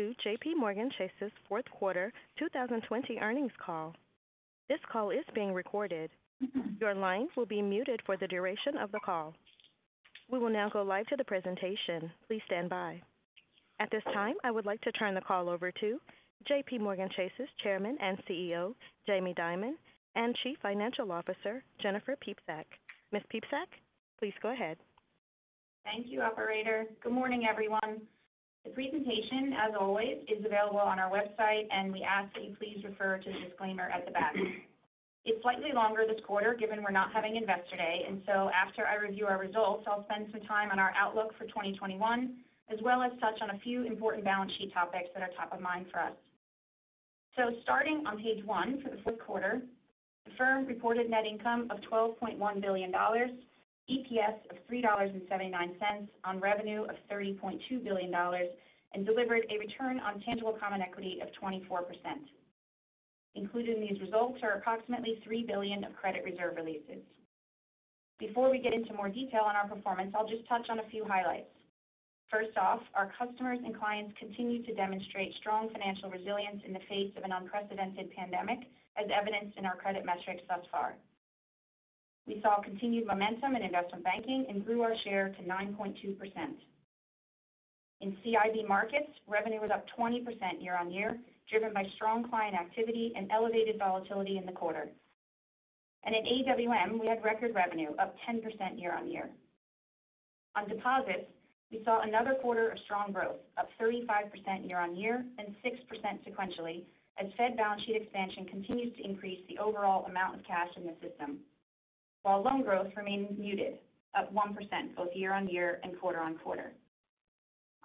At this time, I would like to turn the call over to JPMorgan Chase's Chairman and CEO, Jamie Dimon, and Chief Financial Officer, Jennifer Piepszak. Ms. Piepszak, please go ahead. Thank you, operator. Good morning, everyone. The presentation, as always, is available on our website, and we ask that you please refer to the disclaimer at the back. It's slightly longer this quarter given we're not having Investor Day, and so after I review our results, I'll spend some time on our outlook for 2021, as well as touch on a few important balance sheet topics that are top of mind for us. Starting on page one for the fourth quarter, the firm reported net income of $12.1 billion, EPS of $3.79 on revenue of $30.2 billion, and delivered a return on tangible common equity of 24%. Included in these results are approximately $3 billion of credit reserve releases. Before we get into more detail on our performance, I'll just touch on a few highlights. First off, our customers and clients continue to demonstrate strong financial resilience in the face of an unprecedented pandemic, as evidenced in our credit metrics thus far. We saw continued momentum in investment banking and grew our share to 9.2%. In CIB Markets, revenue was up 20% year-on-year, driven by strong client activity and elevated volatility in the quarter. At AWM, we had record revenue up 10% year-on-year. On deposits, we saw another quarter of strong growth, up 35% year-on-year and 6% sequentially, as Fed balance sheet expansion continues to increase the overall amount of cash in the system. While loan growth remains muted, up 1% both year-on-year and quarter-on-quarter.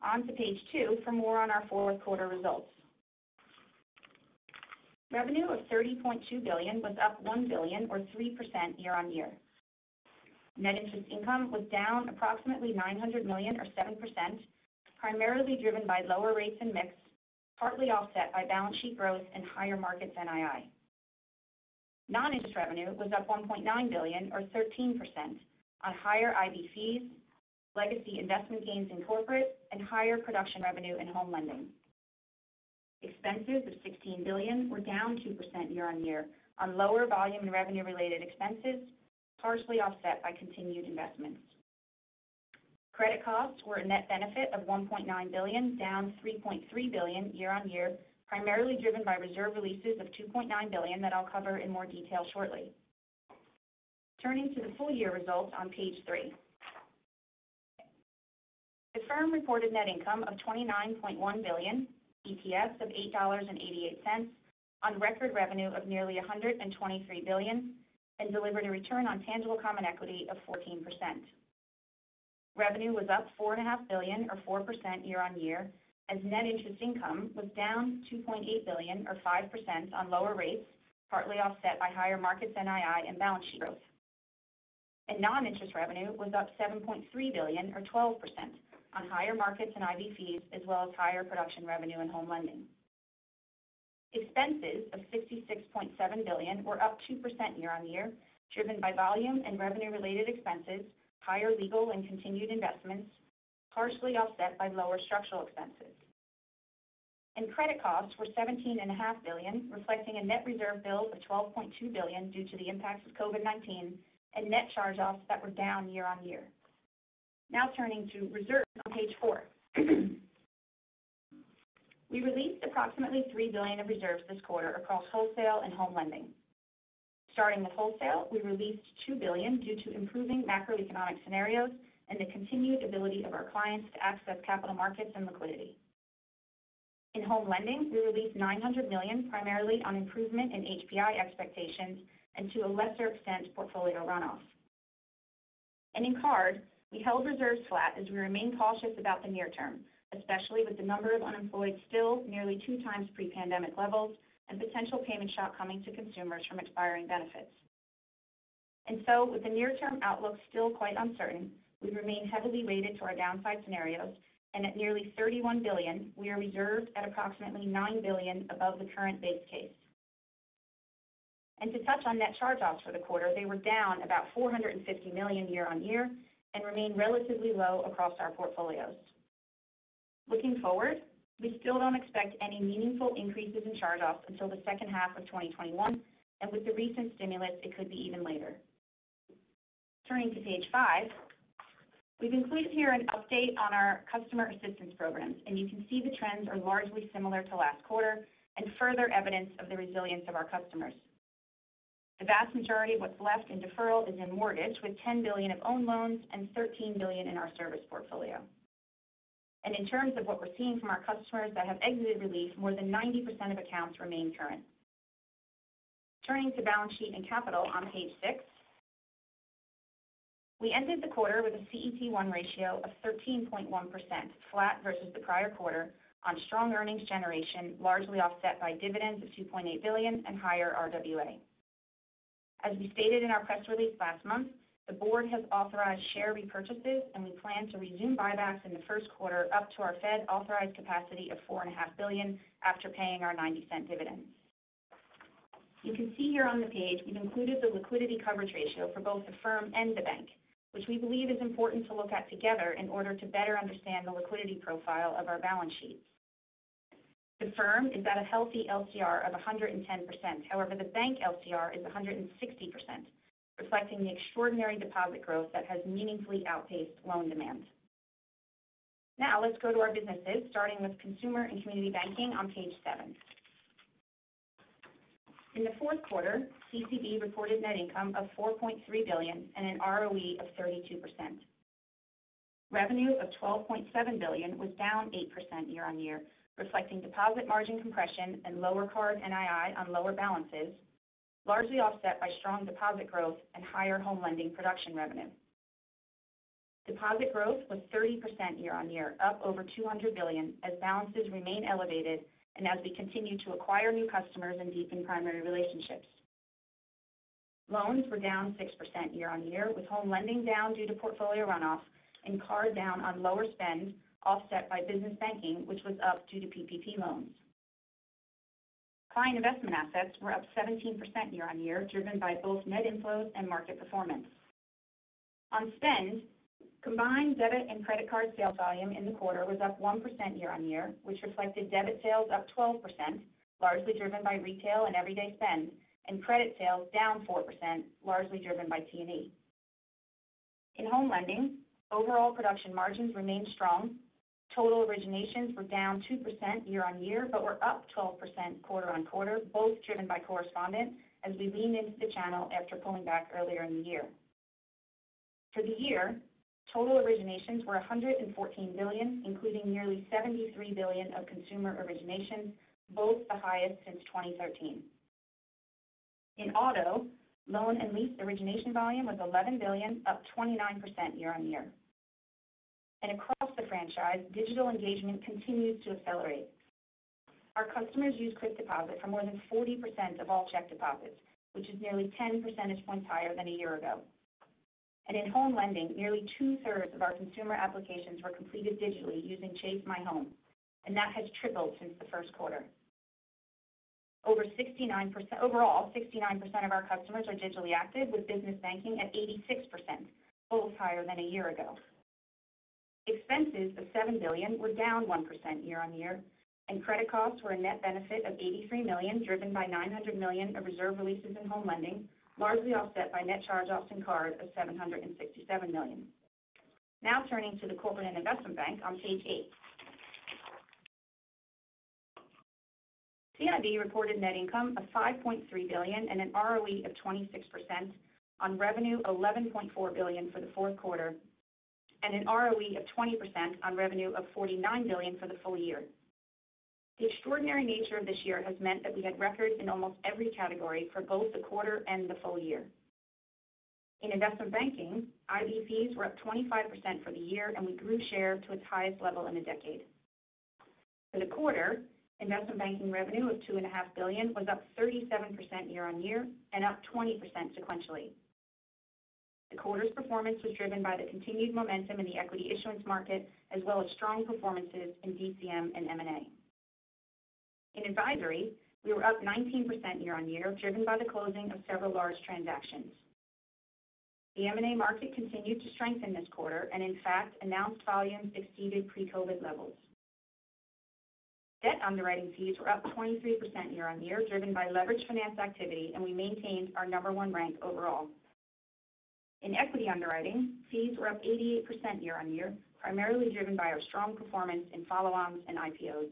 On to page two for more on our fourth quarter results. Revenue of $30.2 billion was up $1 billion or 3% year-on-year. Net interest income was down approximately $900 million or 7%, primarily driven by lower rates and mix, partly offset by balance sheet growth and higher markets NII. Non-interest revenue was up $1.9 billion or 13% on higher IB fees, legacy investment gains in corporate, and higher production revenue in home lending. Expenses of $16 billion were down 2% year-on-year on lower volume and revenue-related expenses, partially offset by continued investments. Credit costs were a net benefit of $1.9 billion, down $3.3 billion year-on-year, primarily driven by reserve releases of $2.9 billion that I'll cover in more detail shortly. Turning to the full year results on page three. The firm reported net income of $29.1 billion, EPS of $8.88 on record revenue of nearly $123 billion, and delivered a return on tangible common equity of 14%. Revenue was up $4.5 billion or 4% year-on-year. Net interest income was down $2.8 billion or 5% on lower rates, partly offset by higher markets NII and balance sheet growth. Non-interest revenue was up $7.3 billion or 12% on higher markets and IB fees, as well as higher production revenue in home lending. Expenses of $56.7 billion were up 2% year-on-year, driven by volume and revenue-related expenses, higher legal and continued investments, partially offset by lower structural expenses. Credit costs were $17.5 billion, reflecting a net reserve build of $12.2 billion due to the impacts of COVID-19 and net charge-offs that were down year-on-year. Now turning to reserves on page four. We released approximately $3 billion of reserves this quarter across wholesale and home lending. Starting with wholesale, we released $2 billion due to improving macroeconomic scenarios and the continued ability of our clients to access capital markets and liquidity. In home lending, we released $900 million primarily on improvement in HPI expectations and to a lesser extent, portfolio runoff. In card, we held reserves flat as we remain cautious about the near term, especially with the number of unemployed still nearly two times pre-pandemic levels and potential payment shock coming to consumers from expiring benefits. With the near-term outlook still quite uncertain, we remain heavily weighted to our downside scenarios, and at nearly $31 billion, we are reserved at approximately $9 billion above the current base case. To touch on net charge-offs for the quarter, they were down about $450 million year-on-year and remain relatively low across our portfolios. Looking forward, we still don't expect any meaningful increases in charge-offs until the second half of 2021. With the recent stimulus, it could be even later. Turning to page five, we've included here an update on our customer assistance programs, and you can see the trends are largely similar to last quarter and further evidence of the resilience of our customers. The vast majority of what's left in deferral is in mortgage, with $10 billion of own loans and $13 billion in our service portfolio. In terms of what we're seeing from our customers that have exited relief, more than 90% of accounts remain current. Turning to balance sheet and capital on page six. We ended the quarter with a CET1 ratio of 13.1%, flat versus the prior quarter on strong earnings generation, largely offset by dividends of $2.8 billion and higher RWA. As we stated in our press release last month, the board has authorized share repurchases, and we plan to resume buybacks in the first quarter up to our Fed-authorized capacity of $4.5 billion after paying our $0.90 dividend. You can see here on the page, we've included the liquidity coverage ratio for both the firm and the bank, which we believe is important to look at together in order to better understand the liquidity profile of our balance sheets. The firm has got a healthy LCR of 110%. However, the bank LCR is 160%, reflecting the extraordinary deposit growth that has meaningfully outpaced loan demand. Now let's go to our businesses, starting with Consumer and Community Banking on page seven. In the fourth quarter, CCB reported net income of $4.3 billion and an ROE of 32%. Revenue of $12.7 billion was down 8% year-over-year, reflecting deposit margin compression and lower card NII on lower balances, largely offset by strong deposit growth and higher home lending production revenue. Deposit growth was 30% year-over-year, up over $200 billion as balances remain elevated and as we continue to acquire new customers and deepen primary relationships. Loans were down 6% year-over-year, with home lending down due to portfolio runoff and card down on lower spend, offset by business banking, which was up due to PPP loans. Client investment assets were up 17% year-over-year, driven by both net inflows and market performance. On spend, combined debit and credit card sales volume in the quarter was up 1% year-over-year, which reflected debit sales up 12%, largely driven by retail and everyday spend, and credit sales down 4%, largely driven by T&E. In home lending, overall production margins remained strong. Total originations were down 2% year-over-year, were up 12% quarter-over-quarter, both driven by correspondent as we leaned into the channel after pulling back earlier in the year. For the year, total originations were $114 billion, including nearly $73 billion of consumer originations, both the highest since 2013. In auto, loan and lease origination volume was $11 billion, up 29% year-over-year. Across the franchise, digital engagement continues to accelerate. Our customers use Quick Deposit for more than 40% of all check deposits, which is nearly 10 percentage points higher than a year ago. In home lending, nearly 2/3 of our consumer applications were completed digitally using Chase MyHome, and that has tripled since the first quarter. Overall, 69% of our customers are digitally active, with business banking at 86%, both higher than a year ago. Expenses of $7 billion were down 1% year-on-year. Credit costs were a net benefit of $83 million, driven by $900 million of reserve releases in home lending, largely offset by net charge-offs and card of $767 million. Turning to the Corporate and Investment Bank on page eight. CIB reported net income of $5.3 billion and an ROE of 26% on revenue $11.4 billion for the fourth quarter, and an ROE of 20% on revenue of $49 billion for the full year. The extraordinary nature of this year has meant that we had records in almost every category for both the quarter and the full year. In investment banking, IB fees were up 25% for the year. We grew share to its highest level in a decade. For the quarter, investment banking revenue of $2.5 billion was up 37% year-on-year. Up 20% sequentially. The quarter's performance was driven by the continued momentum in the equity issuance market, as well as strong performances in DCM and M&A. In advisory, we were up 19% year-on-year, driven by the closing of several large transactions. The M&A market continued to strengthen this quarter and, in fact, announced volumes exceeded pre-COVID levels. Debt underwriting fees were up 23% year-on-year, driven by leveraged finance activity, and we maintained our number one rank overall. In equity underwriting, fees were up 88% year-on-year, primarily driven by our strong performance in follow-ons and IPOs.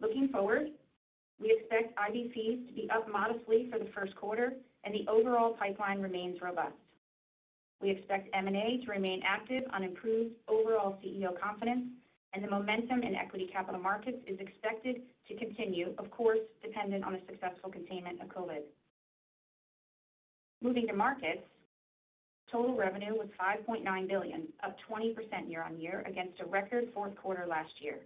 Looking forward, we expect IB fees to be up modestly for the first quarter. The overall pipeline remains robust. We expect M&A to remain active on improved overall CEO confidence. The momentum in equity capital markets is expected to continue, of course, dependent on the successful containment of COVID. Moving to markets, total revenue was $5.9 billion, up 20% year-on-year against a record fourth quarter last year.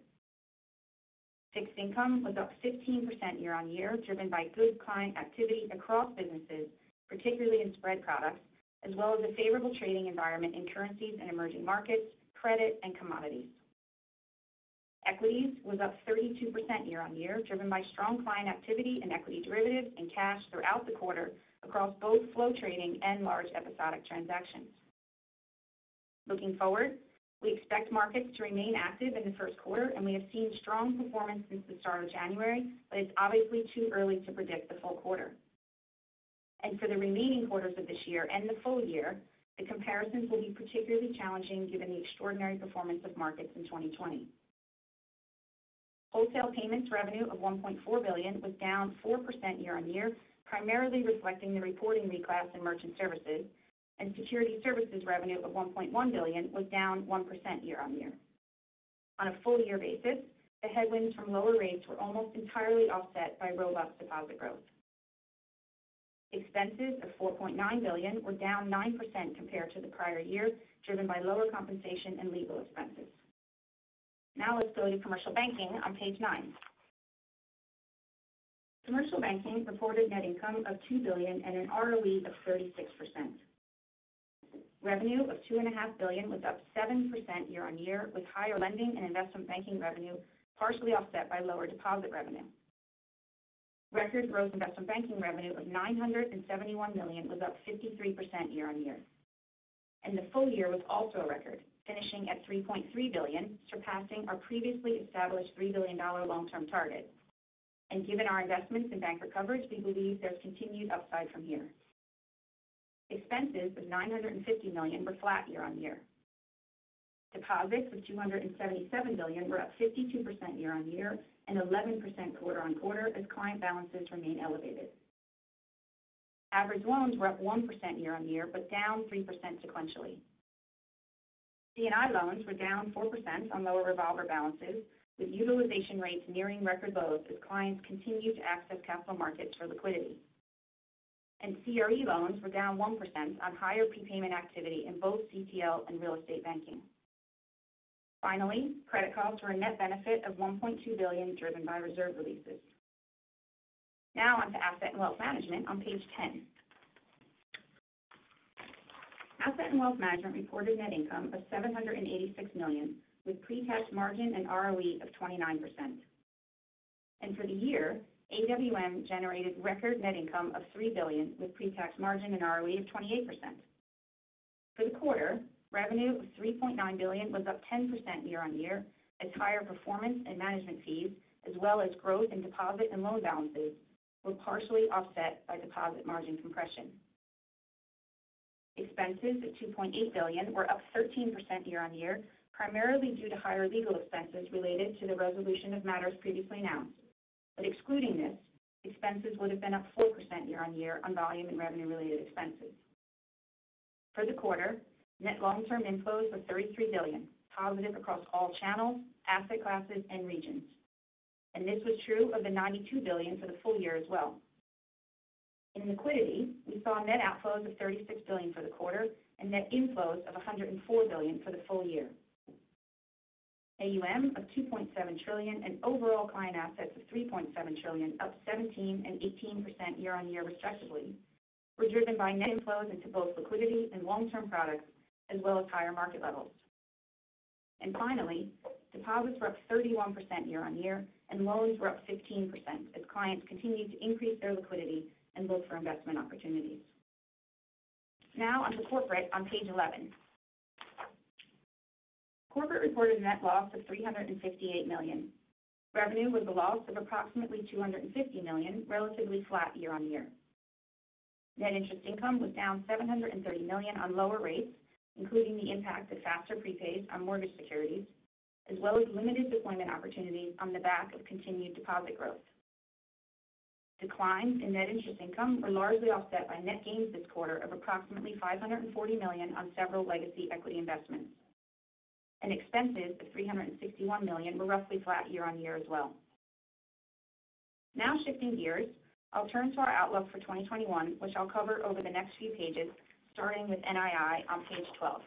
Fixed income was up 15% year-on-year, driven by good client activity across businesses, particularly in spread products, as well as a favorable trading environment in currencies and emerging markets, credit, and commodities. Equities was up 32% year-on-year, driven by strong client activity in equity derivative and cash throughout the quarter across both flow trading and large episodic transactions. Looking forward, we expect markets to remain active in the first quarter, and we have seen strong performance since the start of January, but it's obviously too early to predict the full quarter. For the remaining quarters of this year and the full year, the comparisons will be particularly challenging given the extraordinary performance of markets in 2020. Wholesale payments revenue of $1.4 billion was down 4% year-on-year, primarily reflecting the reporting reclass in merchant services, and security services revenue of $1.1 billion was down 1% year-on-year. On a full-year basis, the headwinds from lower rates were almost entirely offset by robust deposit growth. Expenses of $4.9 billion were down 9% compared to the prior year, driven by lower compensation and legal expenses. Let's go to Commercial Banking on page nine. Commercial Banking reported net income of $2 billion and an ROE of 36%. Revenue of $2.5 billion was up 7% year-on-year with higher lending and investment banking revenue partially offset by lower deposit revenue. Record gross investment banking revenue of $971 million was up 53% year-on-year. The full year was also a record, finishing at $3.3 billion, surpassing our previously established $3 billion long-term target. Given our investments in banker coverage, we believe there's continued upside from here. Expenses of $950 million were flat year-over-year. Deposits of $277 billion were up 52% year-over-year and 11% quarter-over-quarter as client balances remain elevated. Average loans were up 1% year-over-year but down 3% sequentially. C&I loans were down 4% on lower revolver balances, with utilization rates nearing record lows as clients continue to access capital markets for liquidity. CRE loans were down 1% on higher prepayment activity in both CTL and real estate banking. Finally, credit costs were a net benefit of $1.2 billion, driven by reserve releases. Now on to Asset and Wealth Management on page 10. Asset and Wealth Management reported net income of $786 million with pre-tax margin and ROE of 29%. For the year, AWM generated record net income of $3 billion with pre-tax margin and ROE of 28%. For the quarter, revenue of $3.9 billion was up 10% year-on-year as higher performance and management fees, as well as growth in deposit and loan balances were partially offset by deposit margin compression. Expenses of $2.8 billion were up 13% year-on-year, primarily due to higher legal expenses related to the resolution of matters previously announced. Excluding this, expenses would have been up 4% year-on-year on volume and revenue-related expenses. For the quarter, net long-term inflows was $33 billion, positive across all channels, asset classes, and regions. This was true of the $92 billion for the full year as well. In liquidity, we saw net outflows of $36 billion for the quarter and net inflows of $104 billion for the full year. AUM of $2.7 trillion and overall client assets of $3.7 trillion up 17% and 18% year-on-year respectively, were driven by net inflows into both liquidity and long-term products as well as higher market levels. Finally, deposits were up 31% year-on-year, and loans were up 15%, as clients continued to increase their liquidity and look for investment opportunities. Now on to corporate on page 11. Corporate reported net loss of $358 million. Revenue was a loss of approximately $250 million, relatively flat year-on-year. Net interest income was down $730 million on lower rates, including the impact of faster prepays on mortgage securities, as well as limited deployment opportunities on the back of continued deposit growth. Declines in net interest income were largely offset by net gains this quarter of approximately $540 million on several legacy equity investments. Expenses of $361 million were roughly flat year-over-year as well. Now shifting gears, I'll turn to our outlook for 2021 which I'll cover over the next few pages, starting with NII on page 12.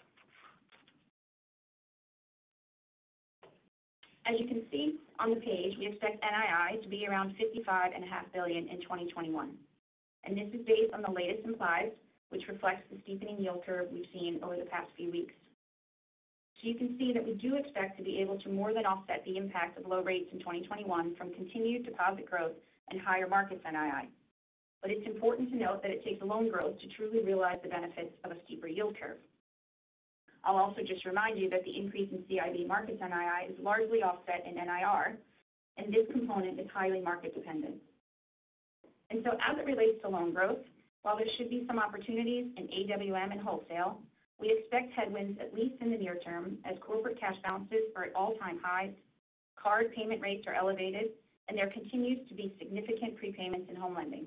As you can see on the page, we expect NII to be around $55.5 billion in 2021. This is based on the latest implieds, which reflects the steepening yield curve we've seen over the past few weeks. You can see that we do expect to be able to more than offset the impact of low rates in 2021 from continued deposit growth and higher markets NII. It's important to note that it takes loan growth to truly realize the benefits of a steeper yield curve. I'll also just remind you that the increase in CIB markets NII is largely offset in NIR, and this component is highly market dependent. As it relates to loan growth, while there should be some opportunities in AWM and wholesale, we expect headwinds at least in the near term as corporate cash balances are at all-time highs, card payment rates are elevated, and there continues to be significant prepayments in home lending.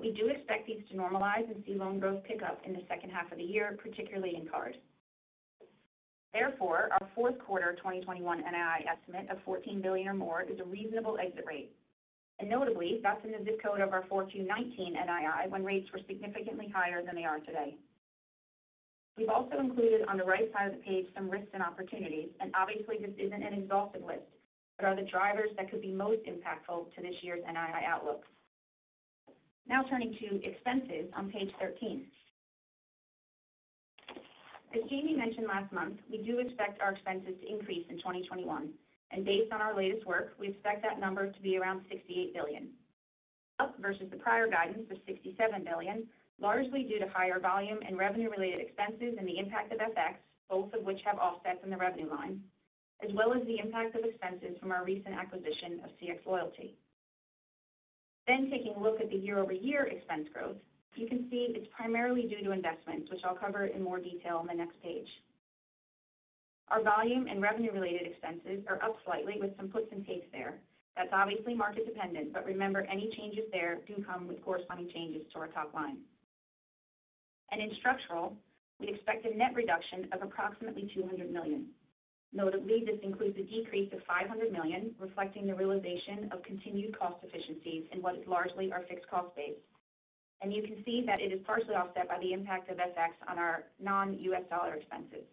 We do expect these to normalize and see loan growth pick up in the second half of the year, particularly in card. Therefore, our fourth quarter 2021 NII estimate of $14 billion or more is a reasonable exit rate. Notably, that's in the ZIP code of our 4Q 2019 NII when rates were significantly higher than they are today. We've also included on the right side of the page some risks and opportunities, and obviously this isn't an exhaustive list, but are the drivers that could be most impactful to this year's NII outlook. Turning to expenses on page 13. As Jamie mentioned last month, we do expect our expenses to increase in 2021. Based on our latest work, we expect that number to be around $68 billion. Up versus the prior guidance of $67 billion, largely due to higher volume and revenue-related expenses and the impact of FX, both of which have offsets in the revenue line, as well as the impact of expenses from our recent acquisition of cxLoyalty. Taking a look at the year-over-year expense growth, you can see it's primarily due to investments, which I'll cover in more detail on the next page. Our volume and revenue-related expenses are up slightly with some puts and takes there. That's obviously market dependent, but remember any changes there can come with corresponding changes to our top line. In structural, we expect a net reduction of approximately $200 million. Notably, this includes a decrease of $500 million reflecting the realization of continued cost efficiencies in what is largely our fixed cost base. You can see that it is partially offset by the impact of FX on our non-U.S. dollar expenses.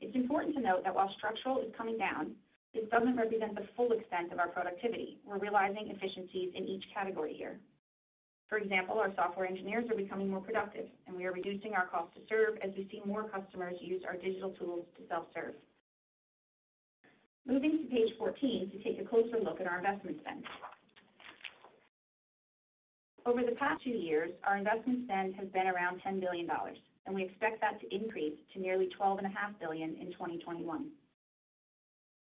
It's important to note that while structural is coming down, this doesn't represent the full extent of our productivity. We're realizing efficiencies in each category here. For example, our software engineers are becoming more productive, and we are reducing our cost to serve as we see more customers use our digital tools to self-serve. Moving to page 14 to take a closer look at our investment spend. Over the past two years, our investment spend has been around $10 billion, and we expect that to increase to nearly $12.5 billion in 2021.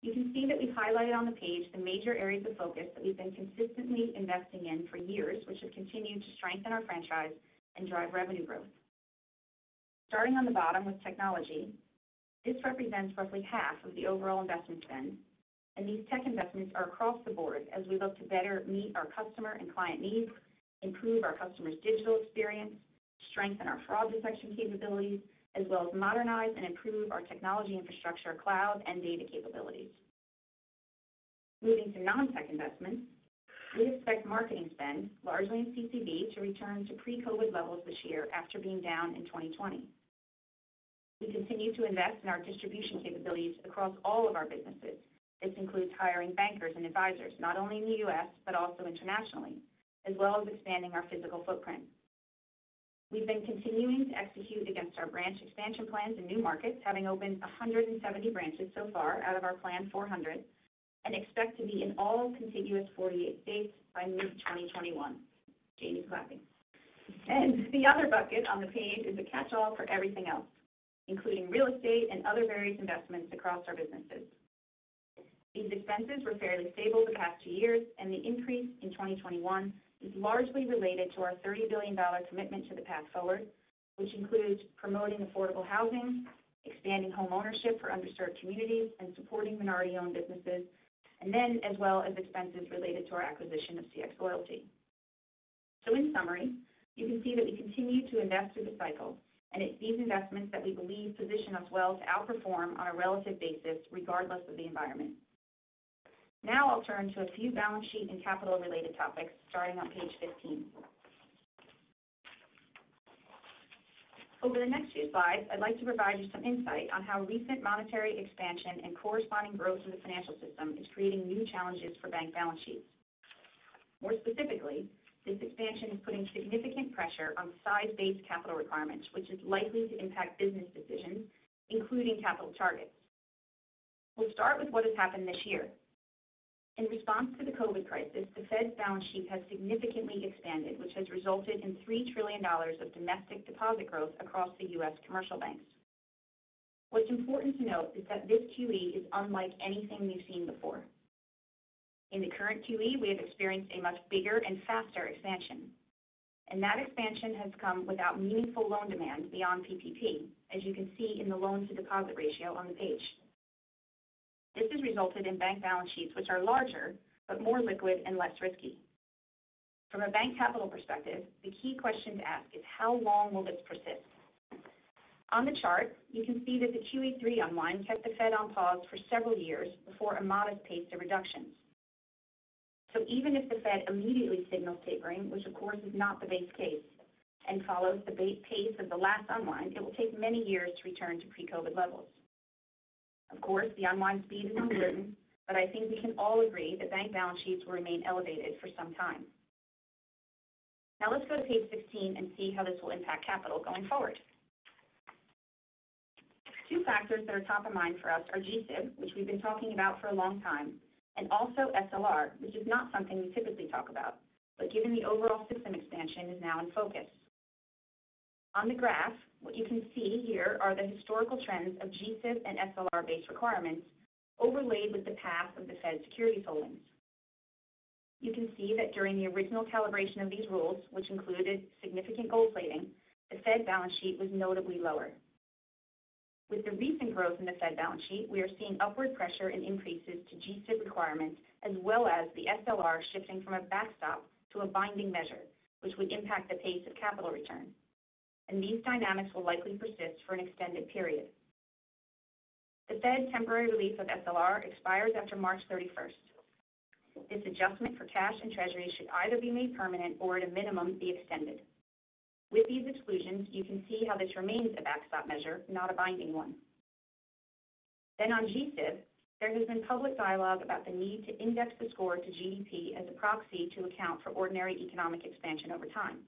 You can see that we've highlighted on the page the major areas of focus that we've been consistently investing in for years, which have continued to strengthen our franchise and drive revenue growth. Starting on the bottom with technology, this represents roughly half of the overall investment spend. These tech investments are across the board as we look to better meet our customer and client needs, improve our customers' digital experience, strengthen our fraud detection capabilities, as well as modernize and improve our technology infrastructure, cloud and data capabilities. Moving to non-tech investments, we expect marketing spend, largely in CCB, to return to pre-COVID levels this year after being down in 2020. We continue to invest in our distribution capabilities across all of our businesses. This includes hiring bankers and advisors, not only in the U.S. but also internationally, as well as expanding our physical footprint. We've been continuing to execute against our branch expansion plans in new markets, having opened 170 branches so far out of our planned 400, and expect to be in all contiguous 48 states by mid-2021. Jamie's clapping. The other bucket on the page is a catch-all for everything else, including real estate and other various investments across our businesses. These expenses were fairly stable the past two years, and the increase in 2021 is largely related to our $30 billion commitment to the Path Forward, which includes promoting affordable housing, expanding homeownership for underserved communities, and supporting minority-owned businesses, and then as well as expenses related to our acquisition of cxLoyalty. In summary, you can see that we continue to invest through the cycle, and it's these investments that we believe position us well to outperform on a relative basis regardless of the environment. Now I'll turn to a few balance sheet and capital-related topics starting on page 15. Over the next few slides, I'd like to provide you some insight on how recent monetary expansion and corresponding growth in the financial system is creating new challenges for bank balance sheets. More specifically, this expansion is putting significant pressure on size-based capital requirements, which is likely to impact business decisions, including capital targets. We'll start with what has happened this year. In response to the COVID crisis, the Fed's balance sheet has significantly expanded, which has resulted in $3 trillion of domestic deposit growth across the U.S. commercial banks. What's important to note is that this QE is unlike anything we've seen before. In the current QE, we have experienced a much bigger and faster expansion, and that expansion has come without meaningful loan demand beyond PPP, as you can see in the loans to deposit ratio on the page. This has resulted in bank balance sheets which are larger but more liquid and less risky. From a bank capital perspective, the key question to ask is how long will this persist? On the chart, you can see that the QE 3 unwind kept the Fed on pause for several years before a modest pace of reductions. Even if the Fed immediately signals tapering, which of course is not the base case, and follows the base pace of the last unwind, it will take many years to return to pre-COVID levels. Of course, the unwind speed is uncertain, but I think we can all agree that bank balance sheets will remain elevated for some time. Let's go to page 16 and see how this will impact capital going forward. Two factors that are top of mind for us are G-SIB, which we've been talking about for a long time, and also SLR, which is not something we typically talk about. Given the overall system expansion is now in focus. On the graph, what you can see here are the historical trends of G-SIB and SLR-based requirements overlaid with the path of the Fed's security holdings. You can see that during the original calibration of these rules, which included significant gold plating, the Fed balance sheet was notably lower. With the recent growth in the Fed balance sheet, we are seeing upward pressure and increases to G-SIB requirements, as well as the SLR shifting from a backstop to a binding measure, which would impact the pace of capital return. These dynamics will likely persist for an extended period. The Fed's temporary relief of SLR expires after March 31st. This adjustment for cash and treasury should either be made permanent or at a minimum, be extended. With these exclusions, you can see how this remains a backstop measure, not a binding one. On G-SIB, there has been public dialogue about the need to index the score to GDP as a proxy to account for ordinary economic expansion over time.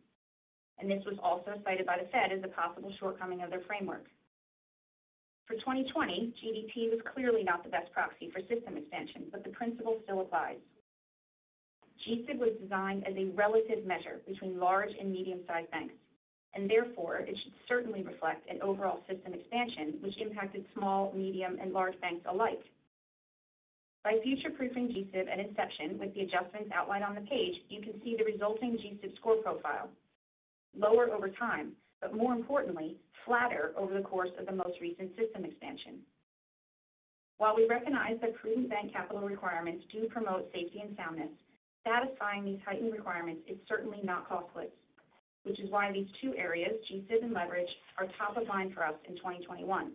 This was also cited by the Fed as a possible shortcoming of their framework. For 2020, GDP was clearly not the best proxy for system expansion. The principle still applies. G-SIB was designed as a relative measure between large and medium-sized banks. Therefore, it should certainly reflect an overall system expansion which impacted small, medium, and large banks alike. By future-proofing G-SIB at inception with the adjustments outlined on the page, you can see the resulting G-SIB score profile. Lower over time. More importantly, flatter over the course of the most recent system expansion. While we recognize that prudent bank capital requirements do promote safety and soundness, satisfying these heightened requirements is certainly not costless, which is why these two areas, G-SIB and leverage, are top of mind for us in 2021.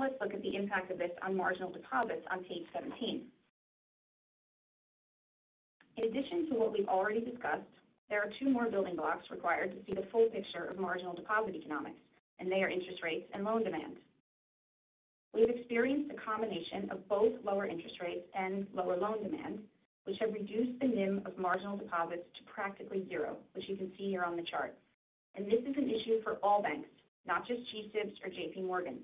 Let's look at the impact of this on marginal deposits on page 17. In addition to what we've already discussed, there are two more building blocks required to see the full picture of marginal deposit economics, and they are interest rates and loan demand. We've experienced a combination of both lower interest rates and lower loan demand, which have reduced the NIM of marginal deposits to practically zero, which you can see here on the chart. This is an issue for all banks, not just G-SIBs or JPMorgan.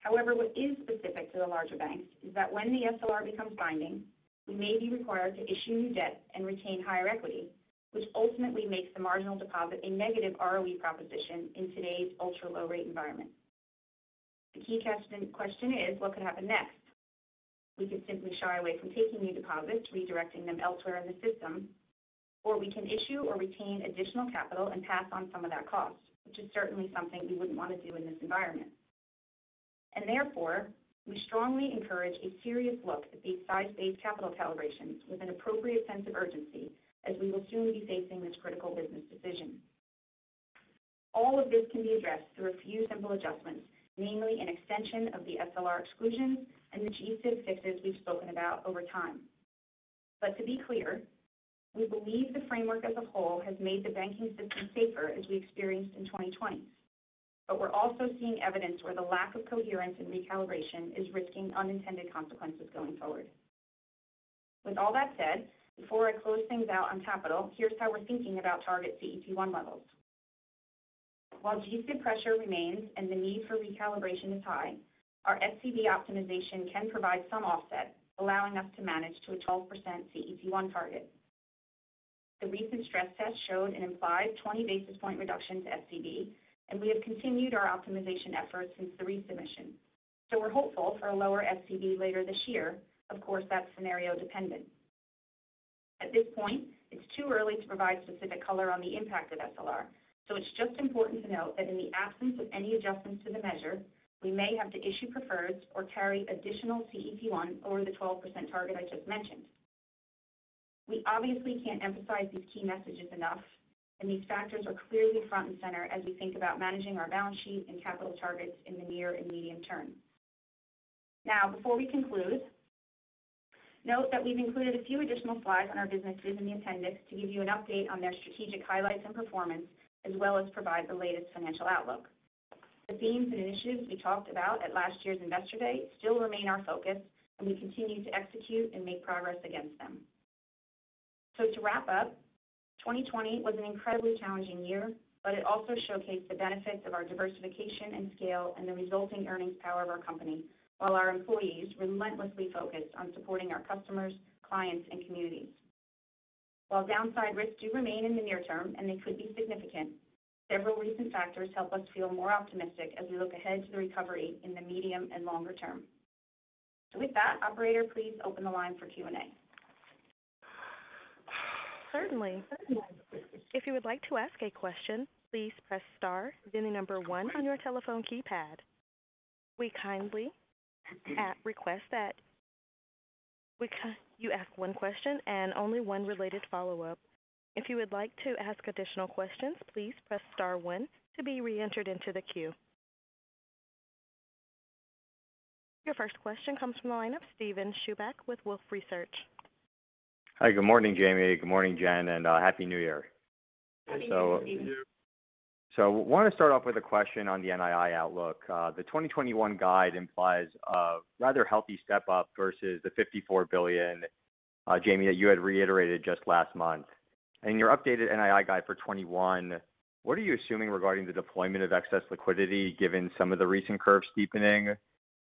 However, what is specific to the larger banks is that when the SLR becomes binding, we may be required to issue new debt and retain higher equity, which ultimately makes the marginal deposit a negative ROE proposition in today's ultra-low-rate environment. The key question is, what could happen next? We could simply shy away from taking new deposits, redirecting them elsewhere in the system, or we can issue or retain additional capital and pass on some of that cost, which is certainly something we wouldn't want to do in this environment. Therefore, we strongly encourage a serious look at these size-based capital calibrations with an appropriate sense of urgency, as we will soon be facing this critical business decision. All of this can be addressed through a few simple adjustments, namely an extension of the SLR exclusions and the G-SIB fixes we've spoken about over time. To be clear, we believe the framework as a whole has made the banking system safer as we experienced in 2020. We're also seeing evidence where the lack of coherence and recalibration is risking unintended consequences going forward. With all that said, before I close things out on capital, here's how we're thinking about target CET1 levels. While G-SIB pressure remains and the need for recalibration is high, our FCB optimization can provide some offset, allowing us to manage to a 12% CET1 target. The recent stress test showed an implied 20-basis point reduction to FCB, and we have continued our optimization efforts since the resubmission. We're hopeful for a lower FCB later this year. Of course, that's scenario dependent. At this point, it's too early to provide specific color on the impact of SLR, it's just important to note that in the absence of any adjustments to the measure, we may have to issue preferreds or carry additional CET1 over the 12% target I just mentioned. We obviously can't emphasize these key messages enough. These factors are clearly front and center as we think about managing our balance sheet and capital targets in the near and medium term. Now, before we conclude, note that we've included a few additional slides on our businesses and the appendices to give you an update on their strategic highlights and performance, as well as provide the latest financial outlook. The themes and initiatives we talked about at last year's Investor Day still remain our focus, and we continue to execute and make progress against them. To wrap up, 2020 was an incredibly challenging year, but it also showcased the benefits of our diversification and scale and the resulting earnings power of our company, while our employees relentlessly focused on supporting our customers, clients, and communities. While downside risks do remain in the near term, and they could be significant, several recent factors help us feel more optimistic as we look ahead to the recovery in the medium and longer term. With that, operator, please open the line for Q&A. Certainly. If you would like to ask a question, please press star, then the number one on your telephone keypad. We kindly request that you ask one question and only one related follow-up. If you would like to ask additional questions, please press star one to be reentered into the queue. Your first question comes from the line of Steven Chubak with Wolfe Research. Hi. Good morning, Jamie. Good morning, Jen, and Happy New Year. Happy New Year. Wanted to start off with a question on the NII outlook. The 2021 guide implies a rather healthy step-up versus the $54 billion, Jamie, that you had reiterated just last month. In your updated NII guide for 2021, what are you assuming regarding the deployment of excess liquidity given some of the recent curve steepening?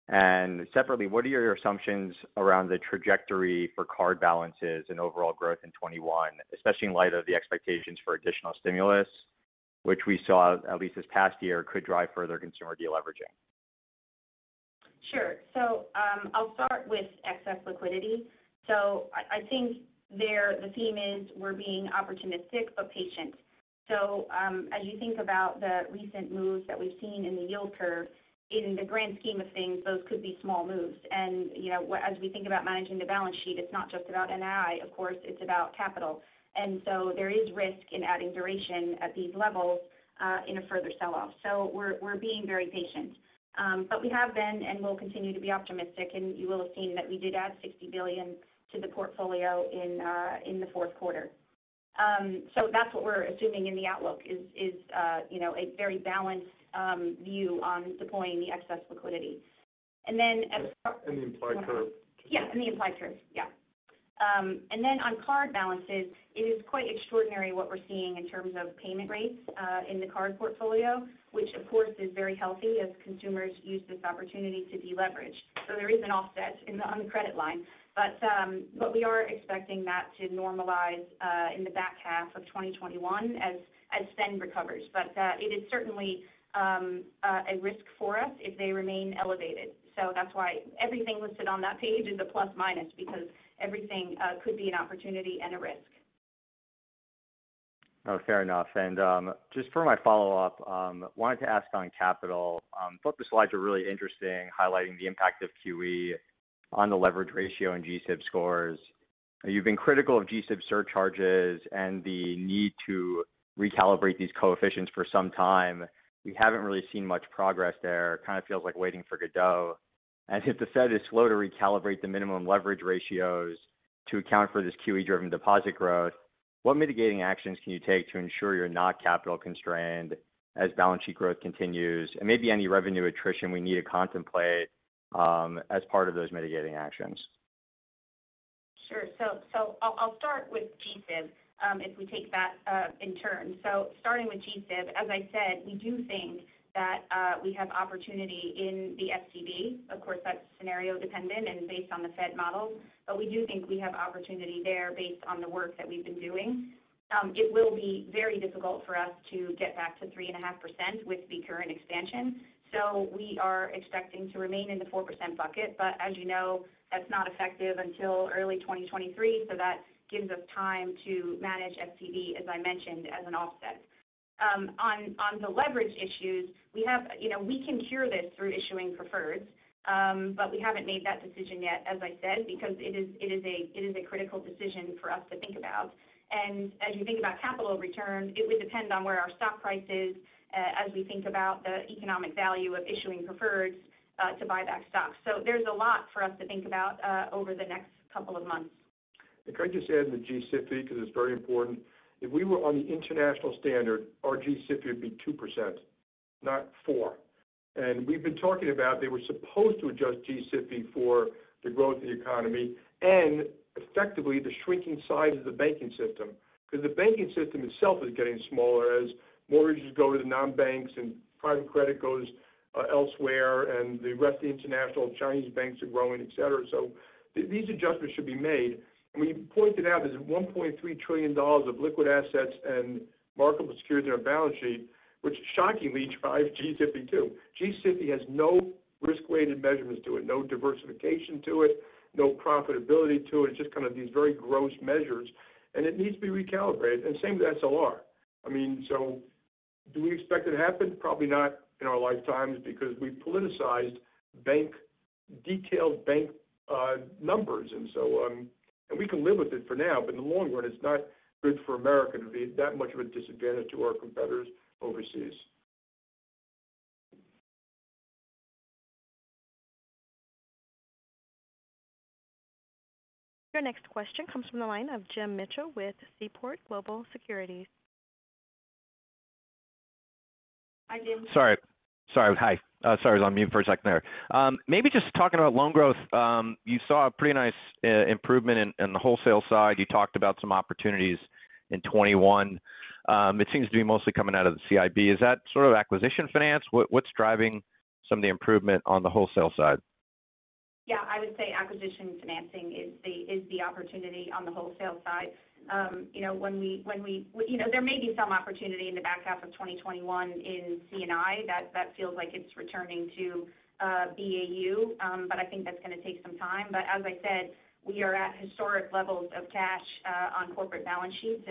Separately, what are your assumptions around the trajectory for card balances and overall growth in 2021, especially in light of the expectations for additional stimulus, which we saw at least this past year could drive further consumer de-leveraging? Sure. I'll start with excess liquidity. I think there the theme is we're being opportunistic but patient. As you think about the recent moves that we've seen in the yield curve, in the grand scheme of things, those could be small moves. As we think about managing the balance sheet, it's not just about NII, of course, it's about capital. There is risk in adding duration at these levels in a further sell-off. We're being very patient. We have been and will continue to be optimistic, and you will have seen that we did add $60 billion to the portfolio in the fourth quarter. That's what we're assuming in the outlook is a very balanced view on deploying the excess liquidity. In the implied curve. Yeah, in the implied curves. Yeah. On card balances, it is quite extraordinary what we're seeing in terms of payment rates in the card portfolio, which of course is very healthy as consumers use this opportunity to de-leverage. We are expecting that to normalize in the back half of 2021 as spend recovers. It is certainly a risk for us if they remain elevated. That's why everything listed on that page is a plus/minus because everything could be an opportunity and a risk. Oh, fair enough. Just for my follow-up, wanted to ask on capital. Thought the slides were really interesting highlighting the impact of QE on the leverage ratio and G-SIB scores. You've been critical of G-SIB surcharges and the need to recalibrate these coefficients for some time. We haven't really seen much progress there. Kind of feels like waiting for Godot. If the Fed is slow to recalibrate the minimum leverage ratios to account for this QE-driven deposit growth, what mitigating actions can you take to ensure you're not capital constrained as balance sheet growth continues? Maybe any revenue attrition we need to contemplate as part of those mitigating actions. Sure. I'll start with G-SIB if we take that in turn. Starting with G-SIB, as I said, we do think that we have opportunity in the FTD. Of course, that's scenario dependent and based on the Fed model. We do think we have opportunity there based on the work that we've been doing. It will be very difficult for us to get back to 3.5% with the current expansion. We are expecting to remain in the 4% bucket. As you know, that's not effective until early 2023, so that gives us time to manage FTD, as I mentioned, as an offset. On the leverage issues, we can cure this through issuing preferred, but we haven't made that decision yet, as I said, because it is a critical decision for us to think about. As you think about capital returns, it would depend on where our stock price is as we think about the economic value of issuing preferred to buy back stock. There's a lot for us to think about over the next couple of months. Can I just add on the G-SIB, because it's very important. If we were on the international standard, our G-SIB would be 2%, not 4%. We've been talking about they were supposed to adjust G-SIB for the growth of the economy and effectively the shrinking size of the banking system because the banking system itself is getting smaller as mortgages go to the non-banks and private credit goes elsewhere and the rest of the international Chinese banks are growing, et cetera. These adjustments should be made. We pointed out there's $1.3 trillion of liquid assets and marketable securities on our balance sheet, which shockingly drive G-SIB too. G-SIB has no risk-weighted measurements to it, no diversification to it, no profitability to it. It's just kind of these very gross measures, and it needs to be recalibrated. Same with SLR. Do we expect it to happen? Probably not in our lifetimes because we politicized detailed bank numbers. We can live with it for now, but in the long run, it's not good for America to be that much of a disadvantage to our competitors overseas. Your next question comes from the line of Jim Mitchell with Seaport Global Securities. Hi, Jim. Sorry. Hi. Sorry, I was on mute for a second there. Maybe just talking about loan growth. You saw a pretty nice improvement in the wholesale side. You talked about some opportunities in 2021. It seems to be mostly coming out of the CIB. Is that sort of acquisition finance? What's driving some of the improvement on the wholesale side? Yeah, I would say acquisition financing is the opportunity on the wholesale side. There may be some opportunity in the back half of 2021 in C&I. That feels like it's returning to BAU. I think that's going to take some time. As I said, we are at historic levels of cash on corporate balance sheets.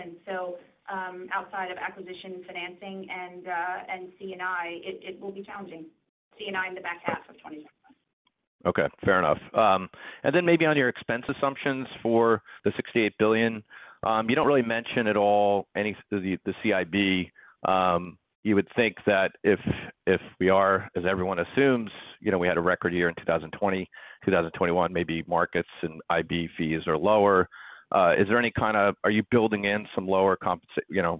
Outside of acquisition financing and C&I, it will be challenging. C&I in the back half of 2021. Okay. Fair enough. Maybe on your expense assumptions for the $68 billion. You don't really mention at all the CIB. You would think that if we are, as everyone assumes, we had a record year in 2020. 2021 maybe markets and IB fees are lower. Are you building in some lower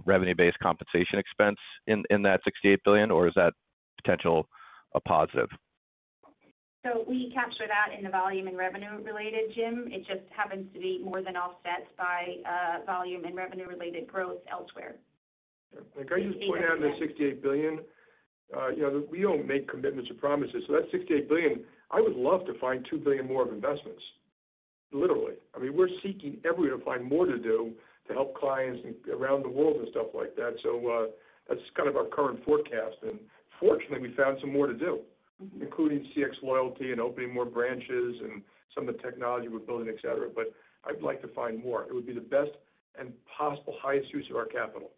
revenue-based compensation expense in that $68 billion, or is that potential a positive? We capture that in the volume and revenue related, Jim. It just happens to be more than offset by volume and revenue related growth elsewhere. Can I just point out on that $68 billion? We don't make commitments or promises. That $68 billion, I would love to find $2 billion more of investments, literally. We're seeking everywhere to find more to do to help clients around the world and stuff like that. That's kind of our current forecast. Fortunately, we found some more to do, including cxLoyalty and opening more branches and some of the technology we're building, et cetera. I'd like to find more. It would be the best and possible highest use of our capital.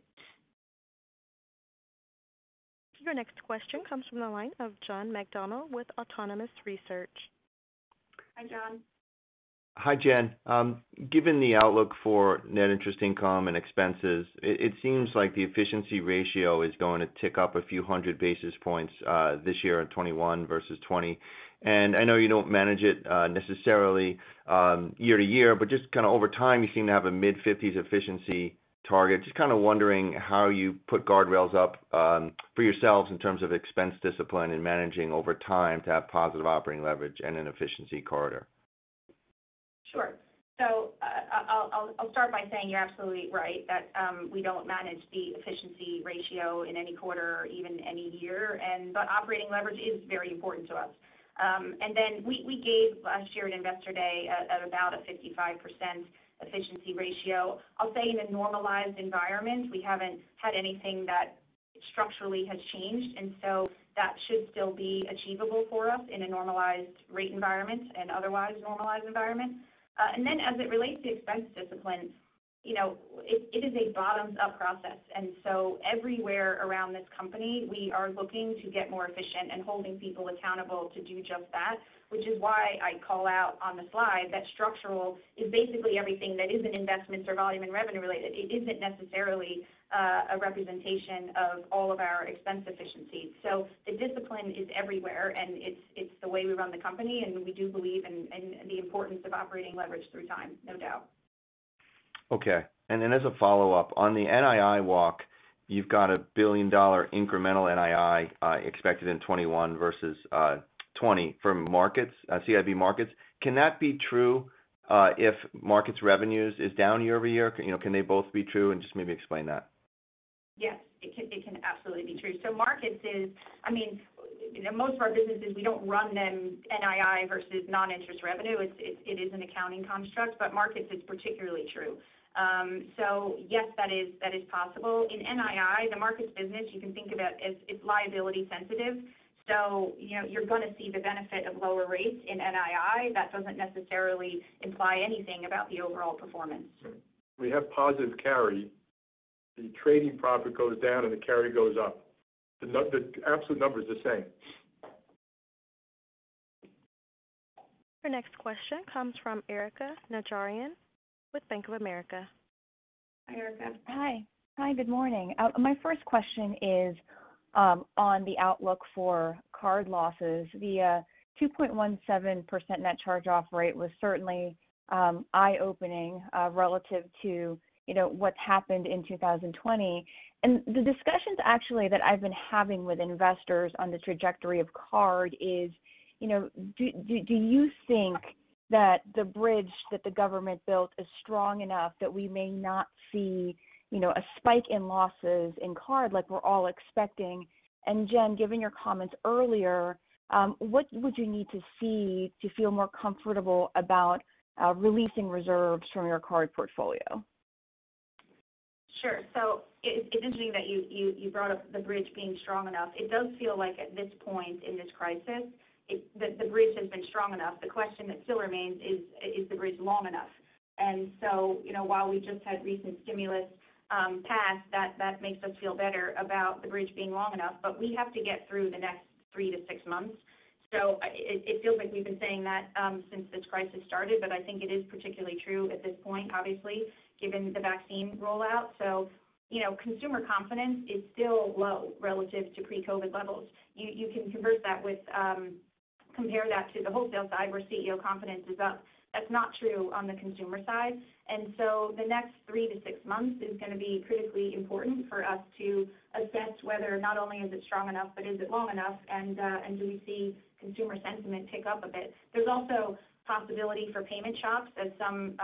Your next question comes from the line of John McDonald with Autonomous Research. Hi, John. Hi, Jen. Given the outlook for net interest income and expenses, it seems like the efficiency ratio is going to tick up a few hundred basis points this year in 2021 versus 2020. I know you don't manage it necessarily year to year, but just kind of over time, you seem to have a mid-fifties efficiency target. Just kind of wondering how you put guardrails up for yourselves in terms of expense discipline and managing over time to have positive operating leverage and an efficiency corridor? Sure. I'll start by saying you're absolutely right that we don't manage the efficiency ratio in any quarter or even any year. Operating leverage is very important to us. We gave last year at Investor Day at about a 55% efficiency ratio. I'll say in a normalized environment, we haven't had anything that structurally has changed, and so that should still be achievable for us in a normalized rate environment and otherwise normalized environment. As it relates to expense discipline, it is a bottoms-up process. Everywhere around this company, we are looking to get more efficient and holding people accountable to do just that, which is why I call out on the slide that structural is basically everything that isn't investments or volume and revenue related. It isn't necessarily a representation of all of our expense efficiencies. The discipline is everywhere, and it's the way we run the company, and we do believe in the importance of operating leverage through time, no doubt. Okay. As a follow-up, on the NII walk, you've got a billion-dollar incremental NII expected in 2021 versus 2020 from CIB Markets. Can that be true if Markets revenues is down year-over-year? Can they both be true? Just maybe explain that. Yes. It can absolutely be true. Most of our businesses, we don't run them NII versus non-interest revenue. It is an accounting construct, but markets is particularly true. Yes, that is possible. In NII, the markets business, you can think about it's liability sensitive, so you're going to see the benefit of lower rates in NII. That doesn't necessarily imply anything about the overall performance. We have positive carry. The trading profit goes down, and the carry goes up. The absolute number is the same. Our next question comes from Erika Najarian with Bank of America. Hi, Erika. Hi. Good morning. My first question is on the outlook for card losses. The 2.17% net charge-off rate was certainly eye-opening relative to what's happened in 2020. The discussions actually that I've been having with investors on the trajectory of card is, do you think that the bridge that the government built is strong enough that we may not see a spike in losses in card like we're all expecting? Jen, given your comments earlier, what would you need to see to feel more comfortable about releasing reserves from your card portfolio? Sure. It's interesting that you brought up the bridge being strong enough. It does feel like at this point in this crisis, the bridge has been strong enough. The question that still remains is the bridge long enough? While we just had recent stimulus pass, that makes us feel better about the bridge being long enough. We have to get through the next three to six months. It feels like we've been saying that since this crisis started, but I think it is particularly true at this point, obviously, given the vaccine rollout. Consumer confidence is still low relative to pre-COVID levels. You can compare that to the wholesale side, where CEO confidence is up. That's not true on the consumer side. The next three to six months is going to be critically important for us to assess whether not only is it strong enough, but is it long enough, and do we see consumer sentiment tick up a bit. There is also possibility for payment shocks as some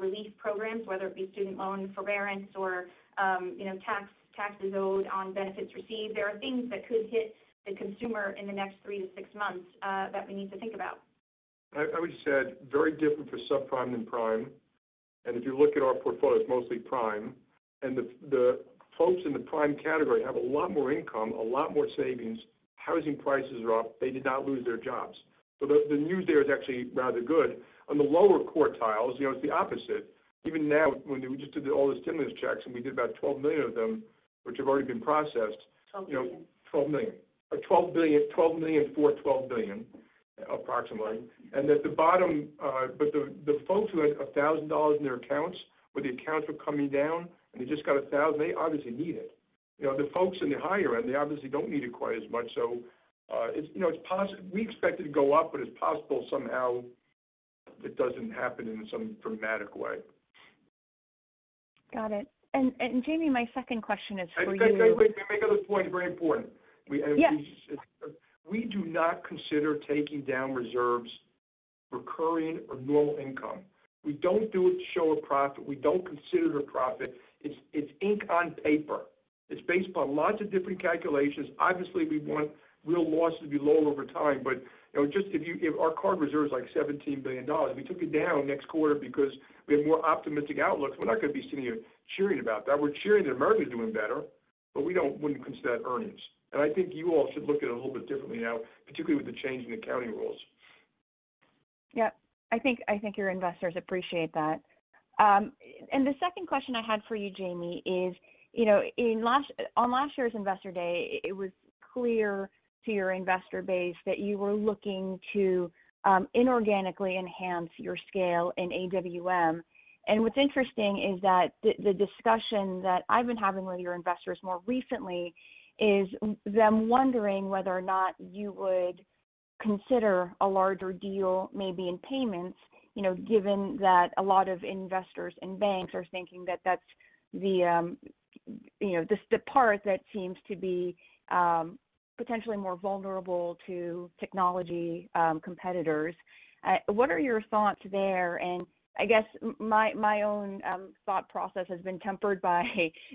relief programs, whether it be student loan forbearance or taxes owed on benefits received. There are things that could hit the consumer in the next three to six months that we need to think about. I would just add, very different for subprime than prime. If you look at our portfolio, it's mostly prime. The folks in the prime category have a lot more income, a lot more savings. Housing prices are up. They did not lose their jobs. The news there is actually rather good. On the lower quartiles, it's the opposite. Even now, when we just did all the stimulus checks, and we did about $12 million of them, which have already been processed. $12 billion. $12 million. $12 million for $12 billion, approximately. The folks who had $1,000 in their accounts, where the accounts were coming down, and they just got $1,000, they obviously need it. The folks in the higher end, they obviously don't need it quite as much. We expect it to go up, but it's possible somehow it doesn't happen in some dramatic way. Got it. Jamie, my second question is for you. Wait. Let me make another point, very important. Yes. We do not consider taking down reserves recurring or normal income. We don't do it to show a profit. We don't consider it a profit. It's ink on paper. It's based upon lots of different calculations. Obviously, we want real losses to be low over time. Our card reserve's like $17 billion. If we took it down next quarter because we have more optimistic outlooks, we're not going to be sitting here cheering about that. We're cheering that America's doing better, but we wouldn't consider that earnings. I think you all should look at it a little bit differently now, particularly with the change in accounting rules. Yeah. I think your investors appreciate that. The second question I had for you, Jamie, is on last year's Investor Day, it was clear to your investor base that you were looking to inorganically enhance your scale in AWM. What's interesting is that the discussion that I've been having with your investors more recently is them wondering whether or not you would consider a larger deal maybe in payments, given that a lot of investors and banks are thinking that that's the part that seems to be potentially more vulnerable to technology competitors. What are your thoughts there? I guess my own thought process has been tempered by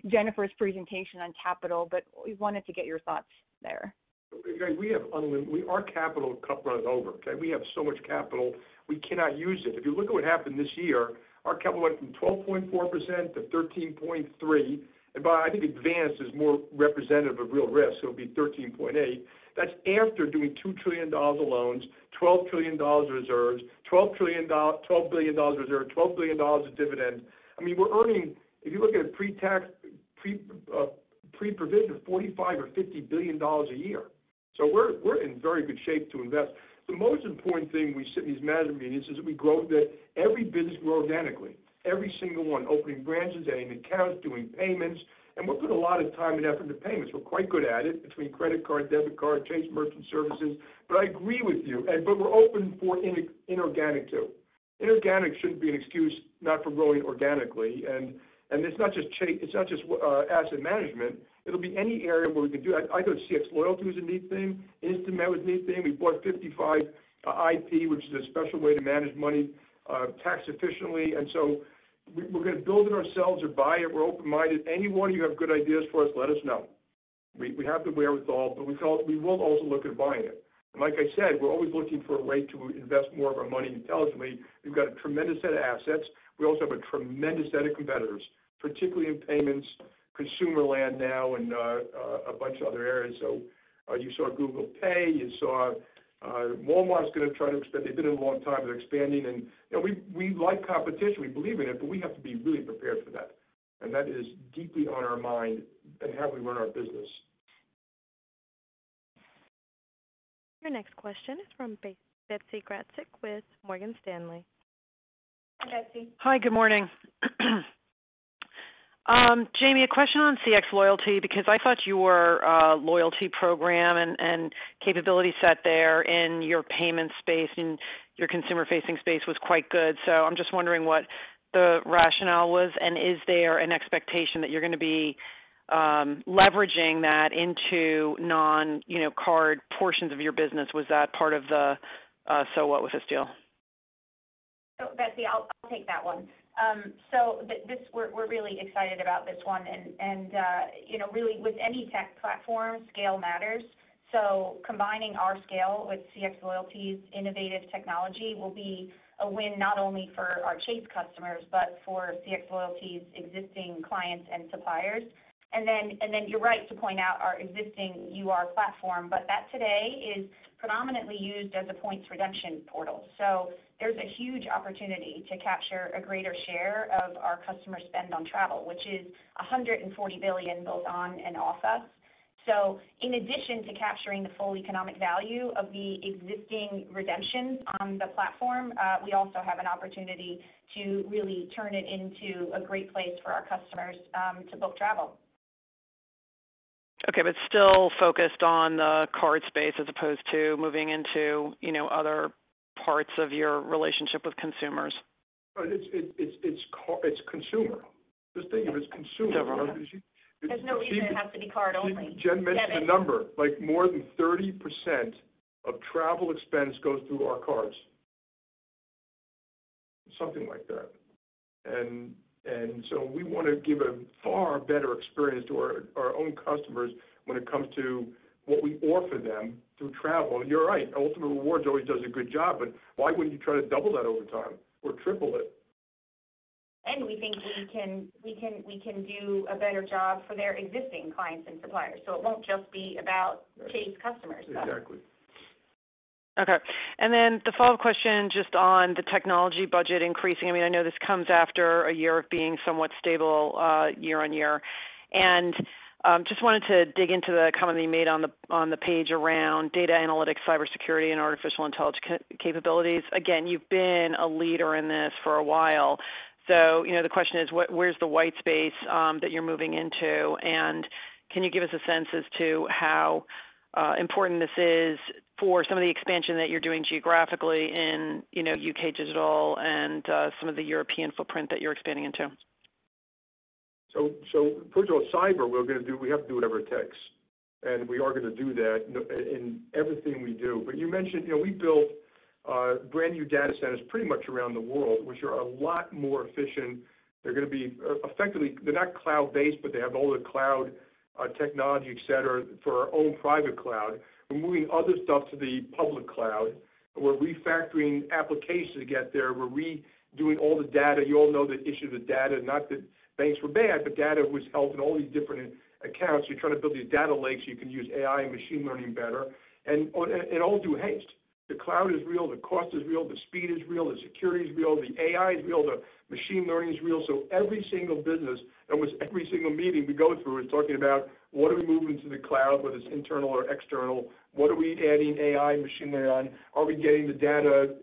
Jennifer's presentation on capital, but we wanted to get your thoughts there. Our capital cup runneth over, okay? We have so much capital, we cannot use it. If you look at what happened this year, our capital went from 12.4%-13.3%. I think advanced is more representative of real risk, so it'll be 13.8%. That's after doing $2 trillion of loans, $12 billion of dividend. If you look at pre-provision, $45 billion or $50 billion a year. We're in very good shape to invest. The most important thing we said in these management meetings is that every business grow organically. Every single one. Opening branches, adding accounts, doing payments. We put a lot of time and effort into payments. We're quite good at it, between credit card, debit card, Chase Merchant Services. I agree with you. We're open for inorganic too. Inorganic shouldn't be an excuse not from growing organically. It's not just asset management. It'll be any area where we can do that. I know cxLoyalty was a neat thing. InstaMed was a neat thing. We bought 55ip, which is a special way to manage money tax efficiently. We're going to build it ourselves or buy it. We're open-minded. Anyone, you have good ideas for us, let us know. We have to wear it all, but we will also look at buying it. Like I said, we're always looking for a way to invest more of our money intelligently. We've got a tremendous set of assets. We also have a tremendous set of competitors, particularly in payments, consumer land now, and a bunch of other areas. You saw Google Pay, you saw Walmart's going to try to expand. They've been in a long time. They're expanding, and we like competition. We believe in it, but we have to be really prepared for that. That is deeply on our mind in how we run our business. Your next question is from Betsy Graseck with Morgan Stanley. Hi, Betsy. Hi, good morning. Jamie, a question on cxLoyalty, because I thought your loyalty program and capability set there in your payment space, in your consumer-facing space was quite good. I'm just wondering what the rationale was, and is there an expectation that you're going to be leveraging that into non-card portions of your business? Was that part of the "so what" with this deal? Betsy, I'll take that one. We're really excited about this one, and really with any tech platform, scale matters. Combining our scale with cxLoyalty's innovative technology will be a win not only for our Chase customers but for cxLoyalty's existing clients and suppliers. You're right to point out our existing UR platform, but that today is predominantly used as a points redemption portal. There's a huge opportunity to capture a greater share of our customer spend on travel, which is $140 billion both on- and off us. In addition to capturing the full economic value of the existing redemptions on the platform, we also have an opportunity to really turn it into a great place for our customers to book travel. Okay, still focused on the card space as opposed to moving into other parts of your relationship with consumers. It's consumer. Just think of it. It's consumer. There's no reason it has to be card only. Jen mentioned a number. More than 30% of travel expense goes through our cards. Something like that. We want to give a far better experience to our own customers when it comes to what we offer them through travel. You're right, Ultimate Rewards always does a good job, but why wouldn't you try to double that over time or triple it? We think we can do a better job for their existing clients and suppliers. It won't just be about Chase customers. Exactly. Okay. The follow-up question, just on the technology budget increasing. I know this comes after a year of being somewhat stable year on year. Just wanted to dig into the comment that you made on the page around data analytics, cybersecurity, and artificial intelligence capabilities. Again, you've been a leader in this for a while. The question is, where's the white space that you're moving into? Can you give us a sense as to how important this is for some of the expansion that you're doing geographically in U.K. digital and some of the European footprint that you're expanding into? First of all, cyber, we have to do whatever it takes, and we are going to do that in everything we do. You mentioned we built brand-new data centers pretty much around the world, which are a lot more efficient. Effectively, they're not cloud-based, but they have all the cloud technology, et cetera, for our own private cloud. We're moving other stuff to the public cloud. We're refactoring applications to get there. We're redoing all the data. You all know the issue with data, not that banks were bad, but data was held in all these different accounts. You're trying to build these data lakes so you can use AI and machine learning better, and in all due haste. The cloud is real, the cost is real, the speed is real, the security is real, the AI is real, the machine learning is real. Every single business and with every single meeting we go through is talking about what are we moving to the cloud, whether it's internal or external? What are we adding AI and machine learning on? Are we getting the data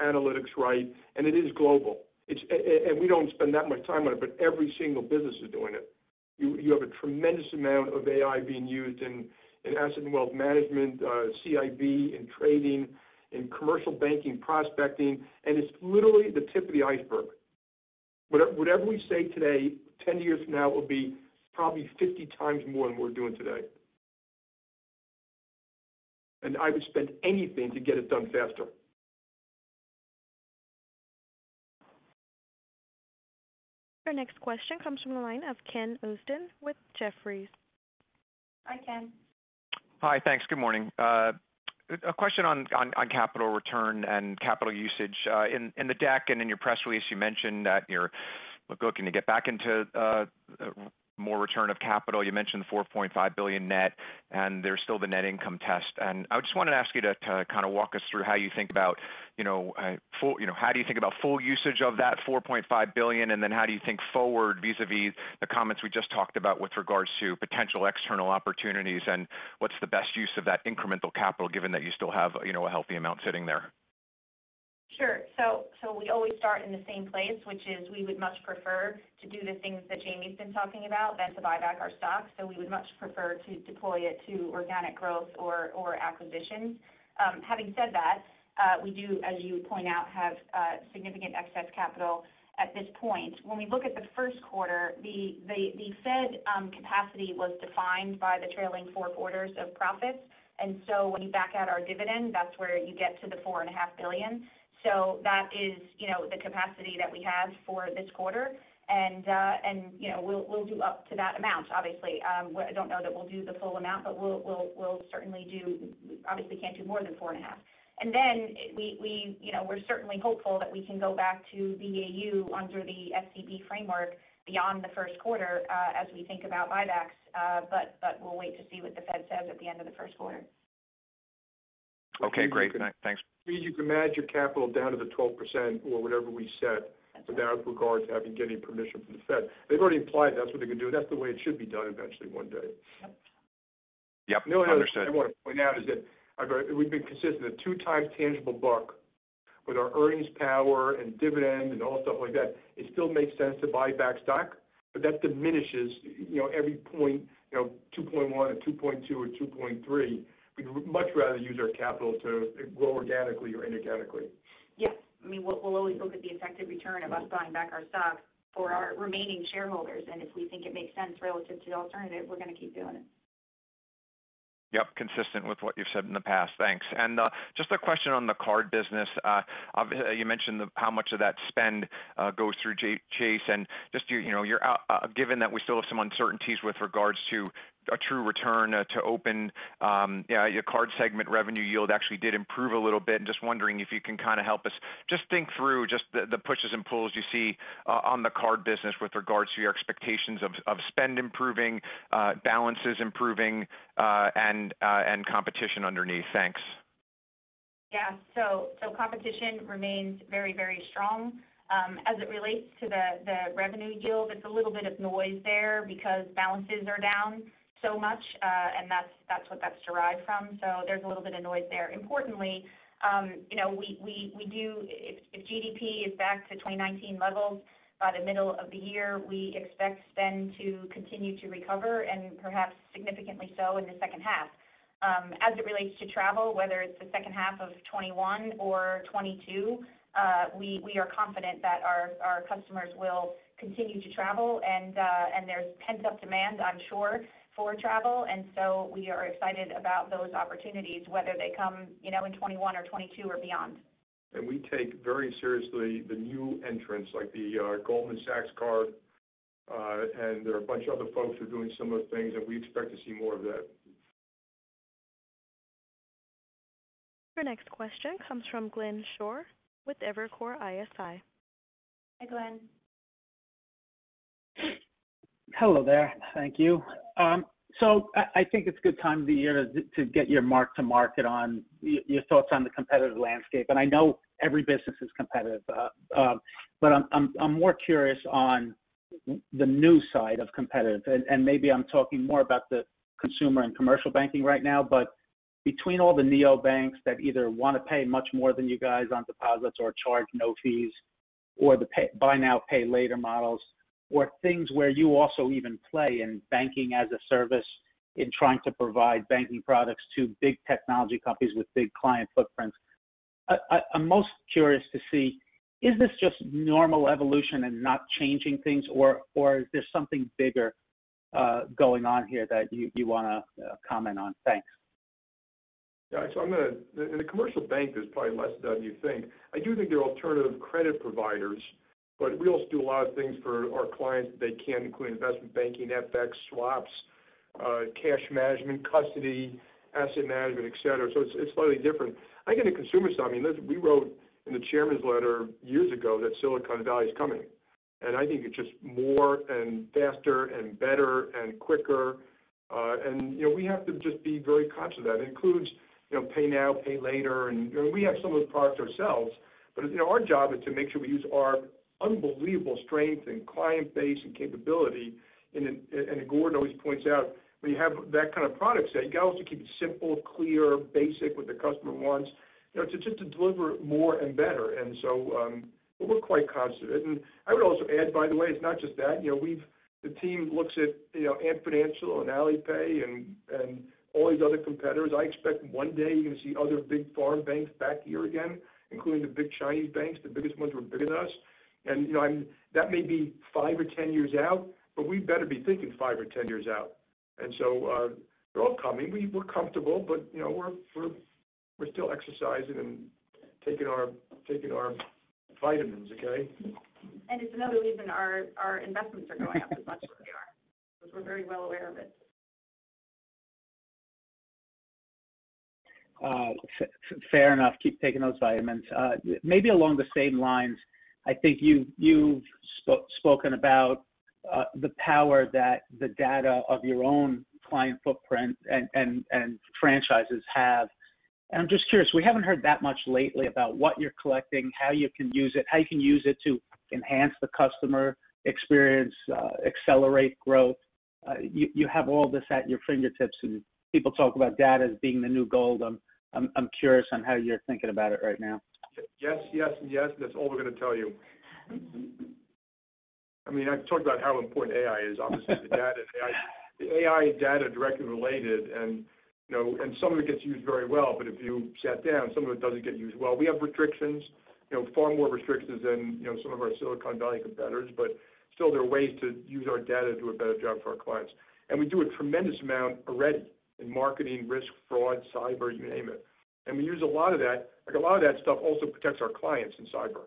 analytics right? It is global. We don't spend that much time on it, but every single business is doing it. You have a tremendous amount of AI being used in Asset & Wealth Management, CIB, in trading, in Commercial Banking, prospecting, and it's literally the tip of the iceberg. Whatever we say today, 10 years from now, it will be probably 50x more than we're doing today. I would spend anything to get it done faster. Your next question comes from the line of Ken Usdin with Jefferies. Hi, Ken. Hi, thanks. Good morning. A question on capital return and capital usage. In the deck and in your press release, you mentioned that you're looking to get back into more return of capital. You mentioned $4.5 billion net, and there's still the net income test. I just wanted to ask you to kind of walk us through how you think about full usage of that $4.5 billion, and then how do you think forward vis-a-vis the comments we just talked about with regards to potential external opportunities, and what's the best use of that incremental capital given that you still have a healthy amount sitting there? Sure. We always start in the same place, which is we would much prefer to do the things that Jamie's been talking about than to buy back our stock. We would much prefer to deploy it to organic growth or acquisitions. Having said that, we do, as you point out, have significant excess capital at this point. When we look at the first quarter, the Fed capacity was defined by the trailing four quarters of profits. When you back out our dividend, that's where you get to the $4.5 billion. That is the capacity that we have for this quarter. We'll do up to that amount, obviously. I don't know that we'll do the full amount, but we'll certainly do. Obviously, can't do more than $4.5 billion. We're certainly hopeful that we can go back to BAU under the SCB framework beyond the first quarter as we think about buybacks. We'll wait to see what the Fed says at the end of the first quarter. Okay, great. Thanks. You can manage your capital down to the 12% or whatever we set without regard to having getting permission from the Fed. They've already implied that's what they're going to do, and that's the way it should be done eventually one day. Yep. Understood. The only other thing I want to point out is that we've been consistent. At two times tangible book with our earnings power and dividend and all the stuff like that, it still makes sense to buy back stock, but that diminishes every point, 2.1 or 2.2 or 2.3. We'd much rather use our capital to grow organically or inorganically. Yes. We'll always look at the effective return of us buying back our stock for our remaining shareholders, and if we think it makes sense relative to the alternative, we're going to keep doing it. Yep. Consistent with what you've said in the past. Thanks. Just a question on the card business. You mentioned how much of that spend goes through Chase, and given that we still have some uncertainties with regards to a true return to open. Your card segment revenue yield actually did improve a little bit, and just wondering if you can kind of help us just think through just the pushes and pulls you see on the card business with regards to your expectations of spend improving, balances improving, and competition underneath? Thanks. Yeah. Competition remains very strong. As it relates to the revenue yield, it's a little bit of noise there because balances are down so much, and that's what that's derived from. There's a little bit of noise there. Importantly, if GDP is back to 2019 levels by the middle of the year, we expect spend to continue to recover and perhaps significantly so in the second half. As it relates to travel, whether it's the second half of 2021 or 2022, we are confident that our customers will continue to travel, and there's pent-up demand, I'm sure, for travel. We are excited about those opportunities, whether they come in 2021 or 2022 or beyond. We take very seriously the new entrants, like the Goldman Sachs card. There are a bunch of other folks who are doing similar things, and we expect to see more of that. Your next question comes from Glenn Schorr with Evercore ISI. Hi, Glenn. Hello there. Thank you. I think it's a good time of the year to get your mark to market on your thoughts on the competitive landscape. I know every business is competitive, but I'm more curious on the new side of competitive, and maybe I'm talking more about the consumer and commercial banking right now. Between all the neobanks that either want to pay much more than you guys on deposits or charge no fees, or the buy now, pay later models, or things where you also even play in banking-as-a-service in trying to provide banking products to big technology companies with big client footprints. I'm most curious to see, is this just normal evolution and not changing things, or is there something bigger going on here that you want to comment on? Thanks. Yeah. In the commercial bank, there's probably less of that than you think. I do think there are alternative credit providers, but we also do a lot of things for our clients that they can't, including investment banking, FX, swaps, cash management, custody, asset management, et cetera. It's slightly different. I get the consumer side. We wrote in the Chairman's Letter years ago that Silicon Valley is coming, and I think it's just more and faster and better and quicker. We have to just be very conscious of that. It includes pay now, pay later, and we have some of those products ourselves. Our job is to make sure we use our unbelievable strength and client base and capability. Gordon always points out when you have that kind of product set, you got to also keep it simple, clear, basic, what the customer wants. Just to deliver more and better. We're quite conscious of it. I would also add, by the way, it's not just that. The team looks at Ant Financial and Alipay and all these other competitors. I expect one day you're going to see other big foreign banks back here again, including the big Chinese banks. The biggest ones were bigger than us. That may be five or 10 years out, but we better be thinking five or 10 years out. They're all coming. We're comfortable, but we're still exercising and taking our vitamins. Okay? It's another reason our investments are going up as much as they are, because we're very well aware of it. Fair enough. Keep taking those vitamins. Maybe along the same lines, I think you've spoken about the power that the data of your own client footprint and franchises have. I'm just curious, we haven't heard that much lately about what you're collecting, how you can use it, how you can use it to enhance the customer experience, accelerate growth. You have all this at your fingertips, and people talk about data as being the new gold. I'm curious on how you're thinking about it right now. Yes, that's all we're going to tell you. I've talked about how important AI is. The data and AI. The AI and data are directly related, and some of it gets used very well, but if you sat down, some of it doesn't get used well. We have restrictions, far more restrictions than some of our Silicon Valley competitors, but still, there are ways to use our data to do a better job for our clients. We do a tremendous amount already in marketing, risk, fraud, cyber, you name it. We use a lot of that. A lot of that stuff also protects our clients in cyber.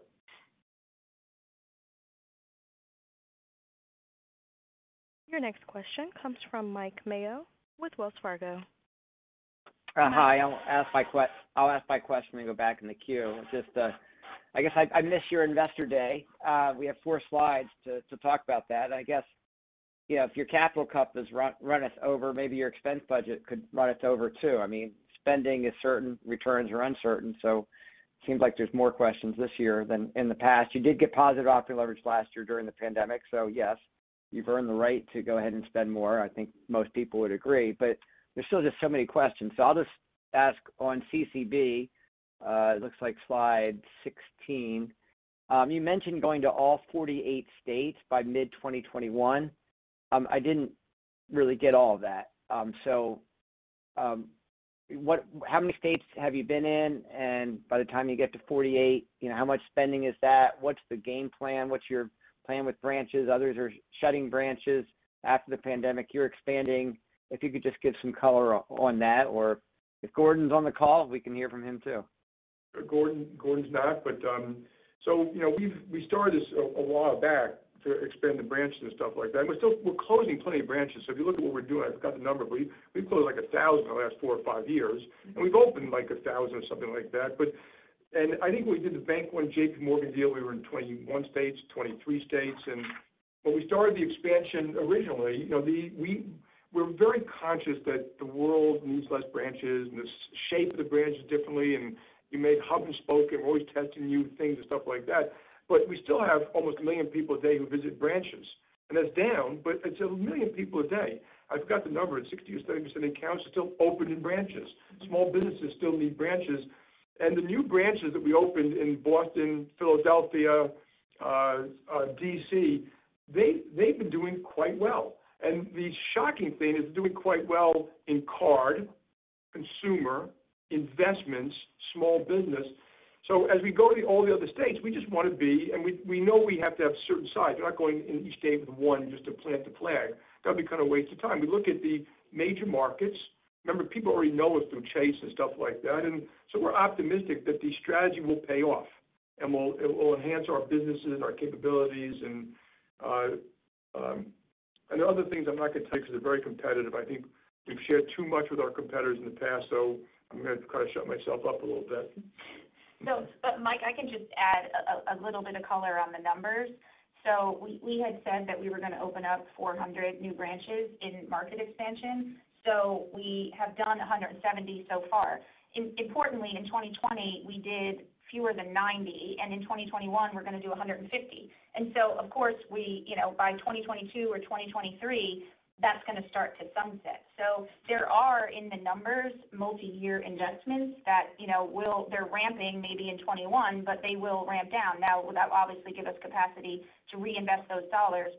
Your next question comes from Mike Mayo with Wells Fargo. Hi. I'll ask my question and go back in the queue. I guess I missed your investor day. We have four slides to talk about that. I guess, if your capital cup is runneth over, maybe your expense budget could runneth over, too. Spending is certain, returns are uncertain, so it seems like there's more questions this year than in the past. You did get positive operating leverage last year during the pandemic, so yes, you've earned the right to go ahead and spend more. I think most people would agree, but there's still just so many questions. I'll just ask on CCB. It looks like slide 16. You mentioned going to all 48 states by mid-2021. I didn't really get all of that. How many states have you been in? By the time you get to 48, how much spending is that? What's the game plan? What's your plan with branches? Others are shutting branches after the pandemic. You're expanding. If you could just give some color on that, or if Gordon's on the call, we can hear from him, too. Gordon's not. We started this a while back to expand the branches and stuff like that, and we're closing plenty of branches. If you look at what we're doing, I forgot the number, but we've closed like 1,000 in the last four or five years, and we've opened like 1,000 or something like that. I think when we did the Bank One JPMorgan deal, we were in 21 states, 23 states. When we started the expansion originally, we're very conscious that the world needs less branches, and the shape of the branch is differently, and we made hub and spoke, and we're always testing new things and stuff like that. We still have almost a million people a day who visit branches. That's down, but it's a million people a day. I forgot the number. It's 60% or 70% of accounts are still opened in branches. Small businesses still need branches. The new branches that we opened in Boston, Philadelphia, D.C., they've been doing quite well. The shocking thing is doing quite well in card, consumer, investments, small business. As we go to all the other states, we just want to be, and we know we have to have certain size. We're not going in each state with one just to plant the flag. That would be kind of a waste of time. We look at the major markets. Remember, people already know us through Chase and stuff like that. We're optimistic that the strategy will pay off, and it will enhance our businesses, our capabilities, and the other things I'm not going to tell you because they're very competitive. I think we've shared too much with our competitors in the past, so I'm going to kind of shut myself up a little bit. Mike, I can just add a little bit of color on the numbers. We had said that we were going to open up 400 new branches in market expansion. We have done 170 so far. Importantly, in 2020, we did fewer than 90, and in 2021, we're going to do 150. Of course, by 2022 or 2023, that's going to start to sunset. There are, in the numbers, multi-year investments that they're ramping maybe in 2021, but they will ramp down. That will obviously give us capacity to reinvest those dollars.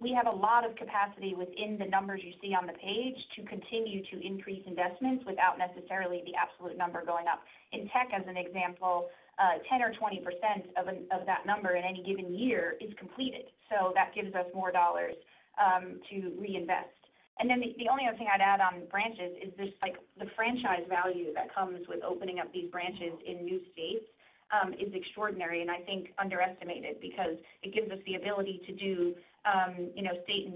We have a lot of capacity within the numbers you see on the page to continue to increase investments without necessarily the absolute number going up. In tech, as an example, 10% or 20% of that number in any given year is completed. That gives us more dollars to reinvest. The only other thing I'd add on branches is just the franchise value that comes with opening up these branches in new states is extraordinary and I think underestimated because it gives us the ability to do state and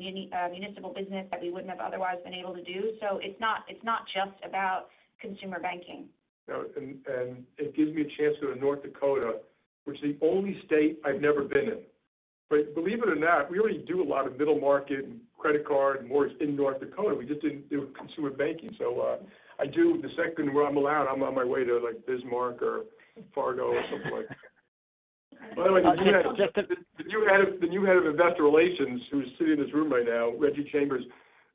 municipal business that we wouldn't have otherwise been able to do. It's not just about consumer banking. It gives me a chance to go to North Dakota, which is the only state I've never been in. Believe it or not, we already do a lot of middle market and credit card and mortgage in North Dakota. We just didn't do consumer banking. The second I'm allowed, I'm on my way to Bismarck or Fargo or something like that. Just to- the new Head of Investor Relations, who's sitting in this room right now, Reggie Chambers,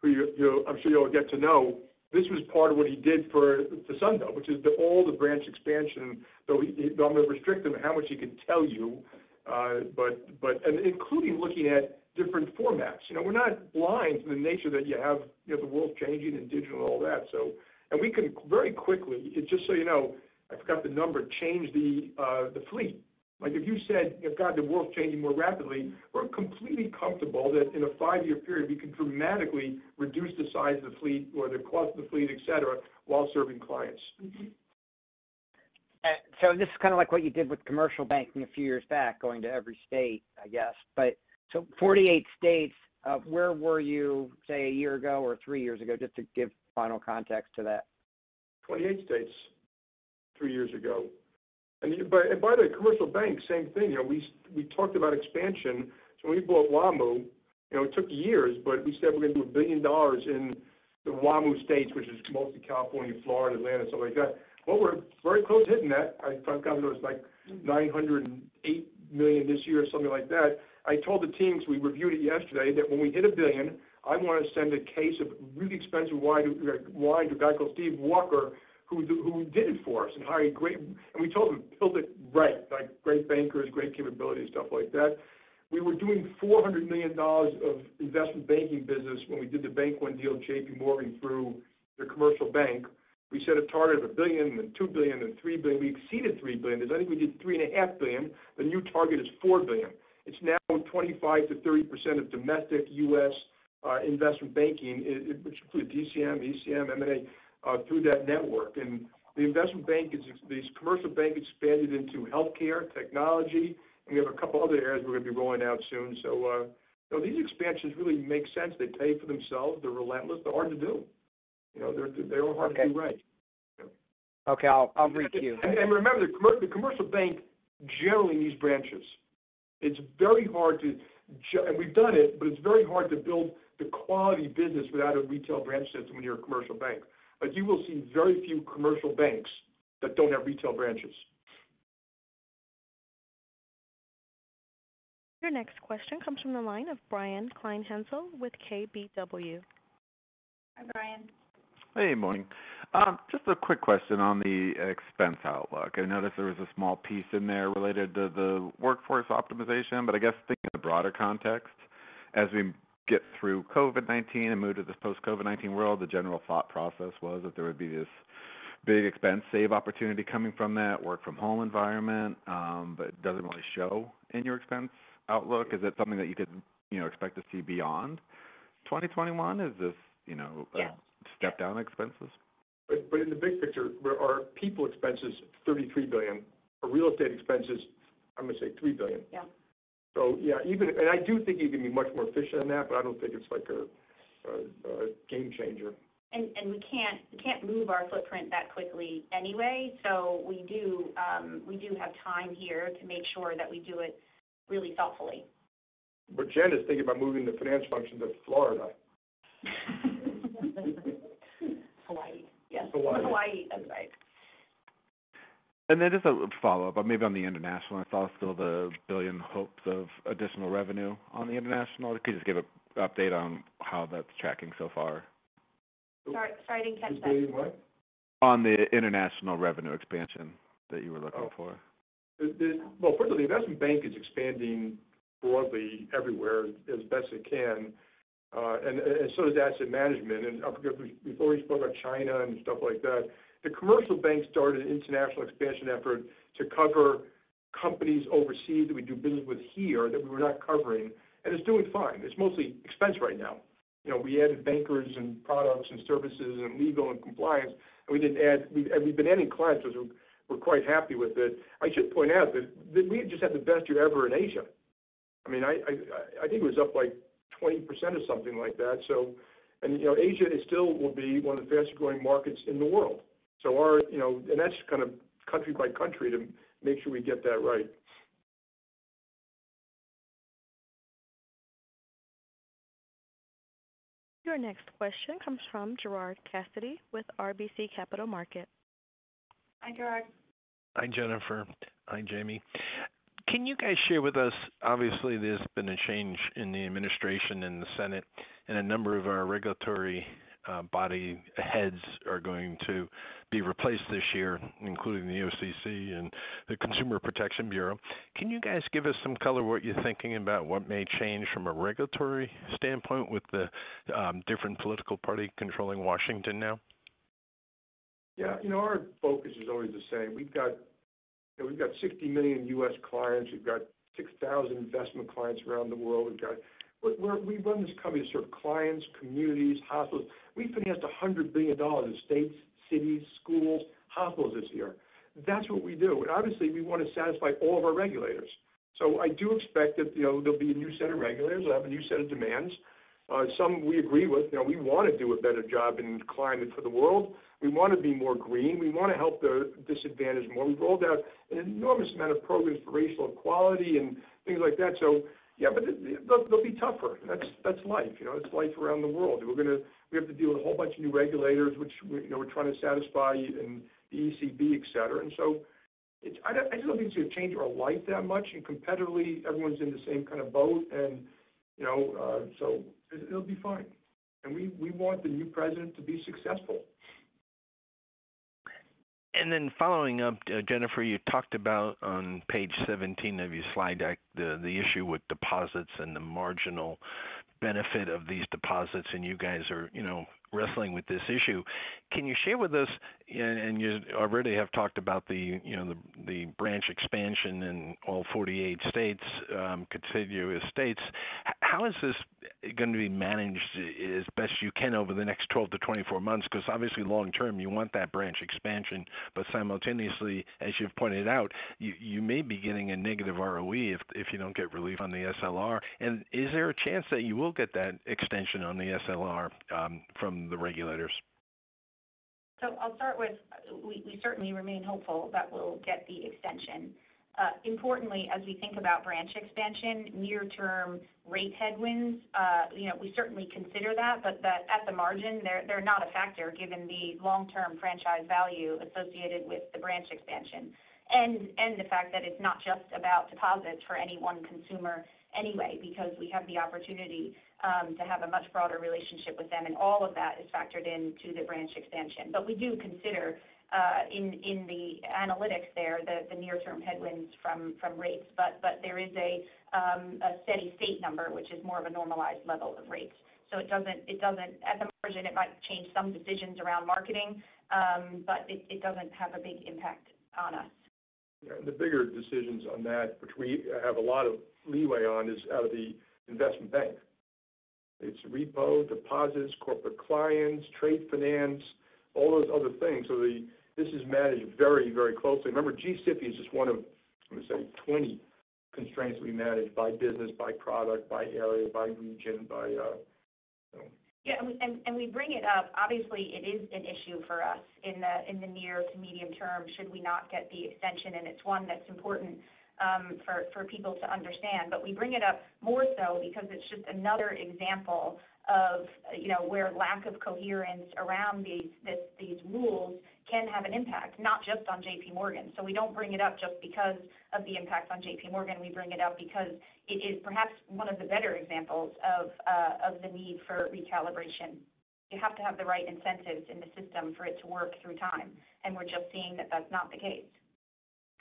who I'm sure you'll get to know, this was part of what he did for, which is all the branch expansion. I'm going to restrict him on how much he can tell you. Including looking at different formats. We're not blind to the nature that you have the world changing in digital and all that. We can very quickly, just so you know, I forgot the number, change the fleet. If you said, "God, the world's changing more rapidly," we're completely comfortable that in a five-year period, we can dramatically reduce the size of the fleet or the cost of the fleet, et cetera, while serving clients. This is kind of like what you did with commercial banking a few years back, going to every state, I guess. 48 states. Where were you, say, a year ago or three years ago, just to give final context to that? 28 states three years ago. By the way, commercial bank, same thing. We talked about expansion. When we bought WaMu, it took years, but we said we're going to do $1 billion in the WaMu states, which is mostly California, Florida, Atlanta, stuff like that. Well, we're very close to hitting that. I've gotten to where it's like $908 million this year or something like that. I told the teams, we reviewed it yesterday, that when we hit $1 billion, I want to send a case of really expensive wine to a guy called Steve Walker, who did it for us and hired great. We told him build it right, like great bankers, great capability and stuff like that. We were doing $400 million of investment banking business when we did the Bank One deal with JPMorgan through their commercial bank. We set a target of $1 billion, then $2 billion, then $3 billion. We exceeded $3 billion. I think we did $3.5 billion. The new target is $4 billion. It's now 25%-30% of domestic U.S. investment banking, which include DCM, ECM, M&A, through that network. The investment bank this commercial bank expanded into healthcare, technology, and we have a couple other areas we're going to be rolling out soon. These expansions really make sense. They pay for themselves. They're relentless. They're hard to do. They're hard to do right. Okay. I'll repeat you. Remember, the commercial bank generally needs branches. We've done it, but it's very hard to build the quality business without a retail branch system when you're a commercial bank. You will see very few commercial banks that don't have retail branches. Your next question comes from the line of Brian Kleinhanzl with KBW. Hi, Brian. Hey, morning. Just a quick question on the expense outlook. I noticed there was a small piece in there related to the workforce optimization, but I guess thinking of the broader context. As we get through COVID-19 and move to this post-COVID-19 world, the general thought process was that there would be this big expense save opportunity coming from that work-from-home environment. It doesn't really show in your expense outlook. Is it something that you didn't expect to see beyond 2021? Yeah step down expenses? In the big picture, our people expenses, $33 billion. Our real estate expenses, I'm going to say $3 billion. Yeah. Yeah. I do think you can be much more efficient than that, but I don't think it's like a game changer. We can't move our footprint that quickly anyway. We do have time here to make sure that we do it really thoughtfully. Jen is thinking about moving the finance function to Florida. Hawaii. Yes. Hawaii. Hawaii. That's right. Just a follow-up, maybe on the international. I saw still the billion hopes of additional revenue on the international. Could you just give an update on how that's tracking so far? Starting catch-up. Starting what? On the international revenue expansion that you were looking for. Oh. Well, first of all, the Investment Bank is expanding broadly everywhere as best it can. So does Asset Management. I forget, we've already spoke about China and stuff like that. The Commercial Bank started an international expansion effort to cover companies overseas that we do business with here that we were not covering, and it's doing fine. It's mostly expense right now. We added bankers and products and services and legal and compliance. We've been adding clients because we're quite happy with it. I should point out that we just had the best year ever in Asia. I think it was up by 20% or something like that. Asia still will be one of the fastest-growing markets in the world. That's kind of country by country to make sure we get that right. Your next question comes from Gerard Cassidy with RBC Capital Markets. Hi, Gerard. Hi, Jennifer. Hi, Jamie. Can you guys share with us, obviously, there's been a change in the administration and the Senate, and a number of our regulatory body heads are going to be replaced this year, including the OCC and the Consumer Financial Protection Bureau. Can you guys give us some color what you're thinking about what may change from a regulatory standpoint with the different political party controlling Washington now? Yeah. Our focus is always the same. We've got 60 million U.S. clients. We've got 6,000 investment clients around the world. We run this company to serve clients, communities, hospitals. We financed $100 billion in states, cities, schools, hospitals this year. That's what we do. Obviously, we want to satisfy all of our regulators. I do expect that there'll be a new set of regulators. They'll have a new set of demands. Some we agree with. We want to do a better job in climate for the world. We want to be more green. We want to help the disadvantaged more. We've rolled out an enormous amount of programs for racial equality and things like that. Yeah, they'll be tougher. That's life around the world. We have to deal with a whole bunch of new regulators, which we're trying to satisfy in the ECB, et cetera. I just don't think it's going to change our life that much. Competitively, everyone's in the same kind of boat. It'll be fine. We want the new president to be successful. Then following up, Jennifer, you talked about on page 17 of your slide deck the issue with deposits and the marginal benefit of these deposits, and you guys are wrestling with this issue. Can you share with us, and you already have talked about the branch expansion in all 48 states, contiguous states. How is this going to be managed as best you can over the next 12-24 months? Obviously long term, you want that branch expansion. Simultaneously, as you've pointed out, you may be getting a negative ROE if you don't get relief on the SLR. Is there a chance that you will get that extension on the SLR from the regulators? I'll start with, we certainly remain hopeful that we'll get the extension. Importantly, as we think about branch expansion, near-term rate headwinds, we certainly consider that, but at the margin, they're not a factor given the long-term franchise value associated with the branch expansion. The fact that it's not just about deposits for any one consumer anyway, because we have the opportunity to have a much broader relationship with them. All of that is factored into the branch expansion. We do consider in the analytics there, the near-term headwinds from rates. There is a steady state number, which is more of a normalized level of rates. At the margin, it might change some decisions around marketing, but it doesn't have a big impact on us. The bigger decisions on that, which we have a lot of leeway on, is out of the Investment Bank. It's repo, deposits, corporate clients, trade finance, all those other things. This is managed very closely. Remember, G-SIB is just one of, I'm going to say, 20 constraints that we manage by business, by product, by area, by region. We bring it up. Obviously, it is an issue for us in the near to medium term, should we not get the extension, and it's one that's important for people to understand. We bring it up more so because it's just another example of where lack of coherence around these rules can have an impact, not just on JPMorgan. We don't bring it up just because of the impact on JPMorgan. We bring it up because it is perhaps one of the better examples of the need for recalibration. You have to have the right incentives in the system for it to work through time, and we're just seeing that that's not the case.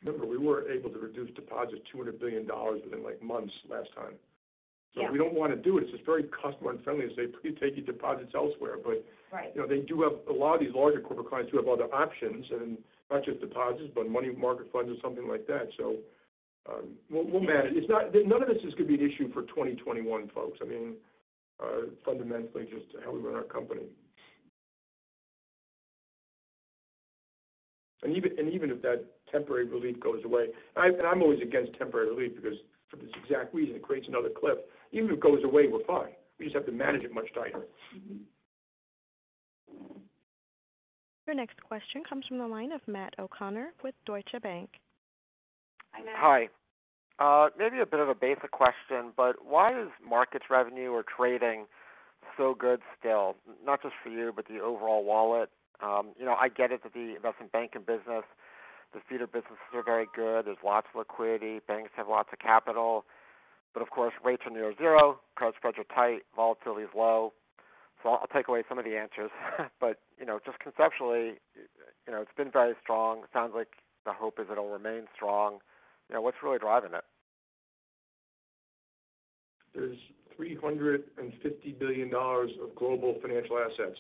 Remember, we were able to reduce deposits $200 billion within months last time. Yeah. We don't want to do it. It's just very customer unfriendly to say, "Please take your deposits elsewhere. Right. A lot of these larger corporate clients who have other options, and not just deposits, but money market funds or something like that. We'll manage. None of this is going to be an issue for 2021, folks. I mean, fundamentally just how we run our company. Even if that temporary relief goes away, and I'm always against temporary relief because for this exact reason, it creates another cliff. Even if it goes away, we're fine. We just have to manage it much tighter. Your next question comes from the line of Matt O'Connor with Deutsche Bank. Hi, Matt. Hi. Maybe a bit of a basic question, why is markets revenue or trading so good still? Not just for you, but the overall wallet. I get it that the investment banking business, the feeder businesses are very good. There's lots of liquidity. Banks have lots of capital. Of course, rates are near zero, credit spreads are tight, volatility is low. I'll take away some of the answers. Just conceptually, it's been very strong. It sounds like the hope is it'll remain strong. What's really driving it? There's $350 billion of global financial assets,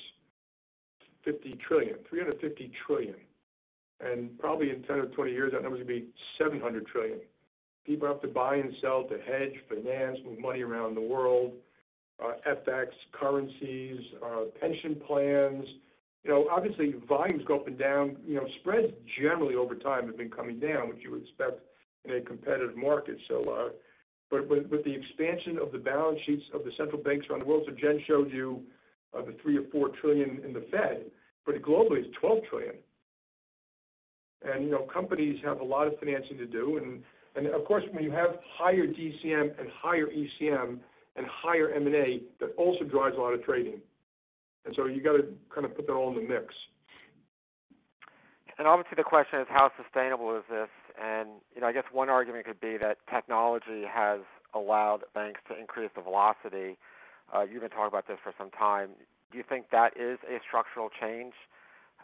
$50 trillion, $350 trillion. Probably in 10 or 20 years, that number is going to be $700 trillion. People have to buy and sell to hedge finance, move money around the world, FX currencies, pension plans. Obviously, volumes go up and down. Spreads generally over time have been coming down, which you would expect in a competitive market. With the expansion of the balance sheets of the central banks around the world, Jen showed you the $3 trillion or $4 trillion in the Fed, but globally it's $12 trillion. Companies have a lot of financing to do. Of course, when you have higher DCM and higher ECM and higher M&A, that also drives a lot of trading. You got to kind of put that all in the mix. Obviously, the question is how sustainable is this? I guess one argument could be that technology has allowed banks to increase the velocity. You've been talking about this for some time. Do you think that is a structural change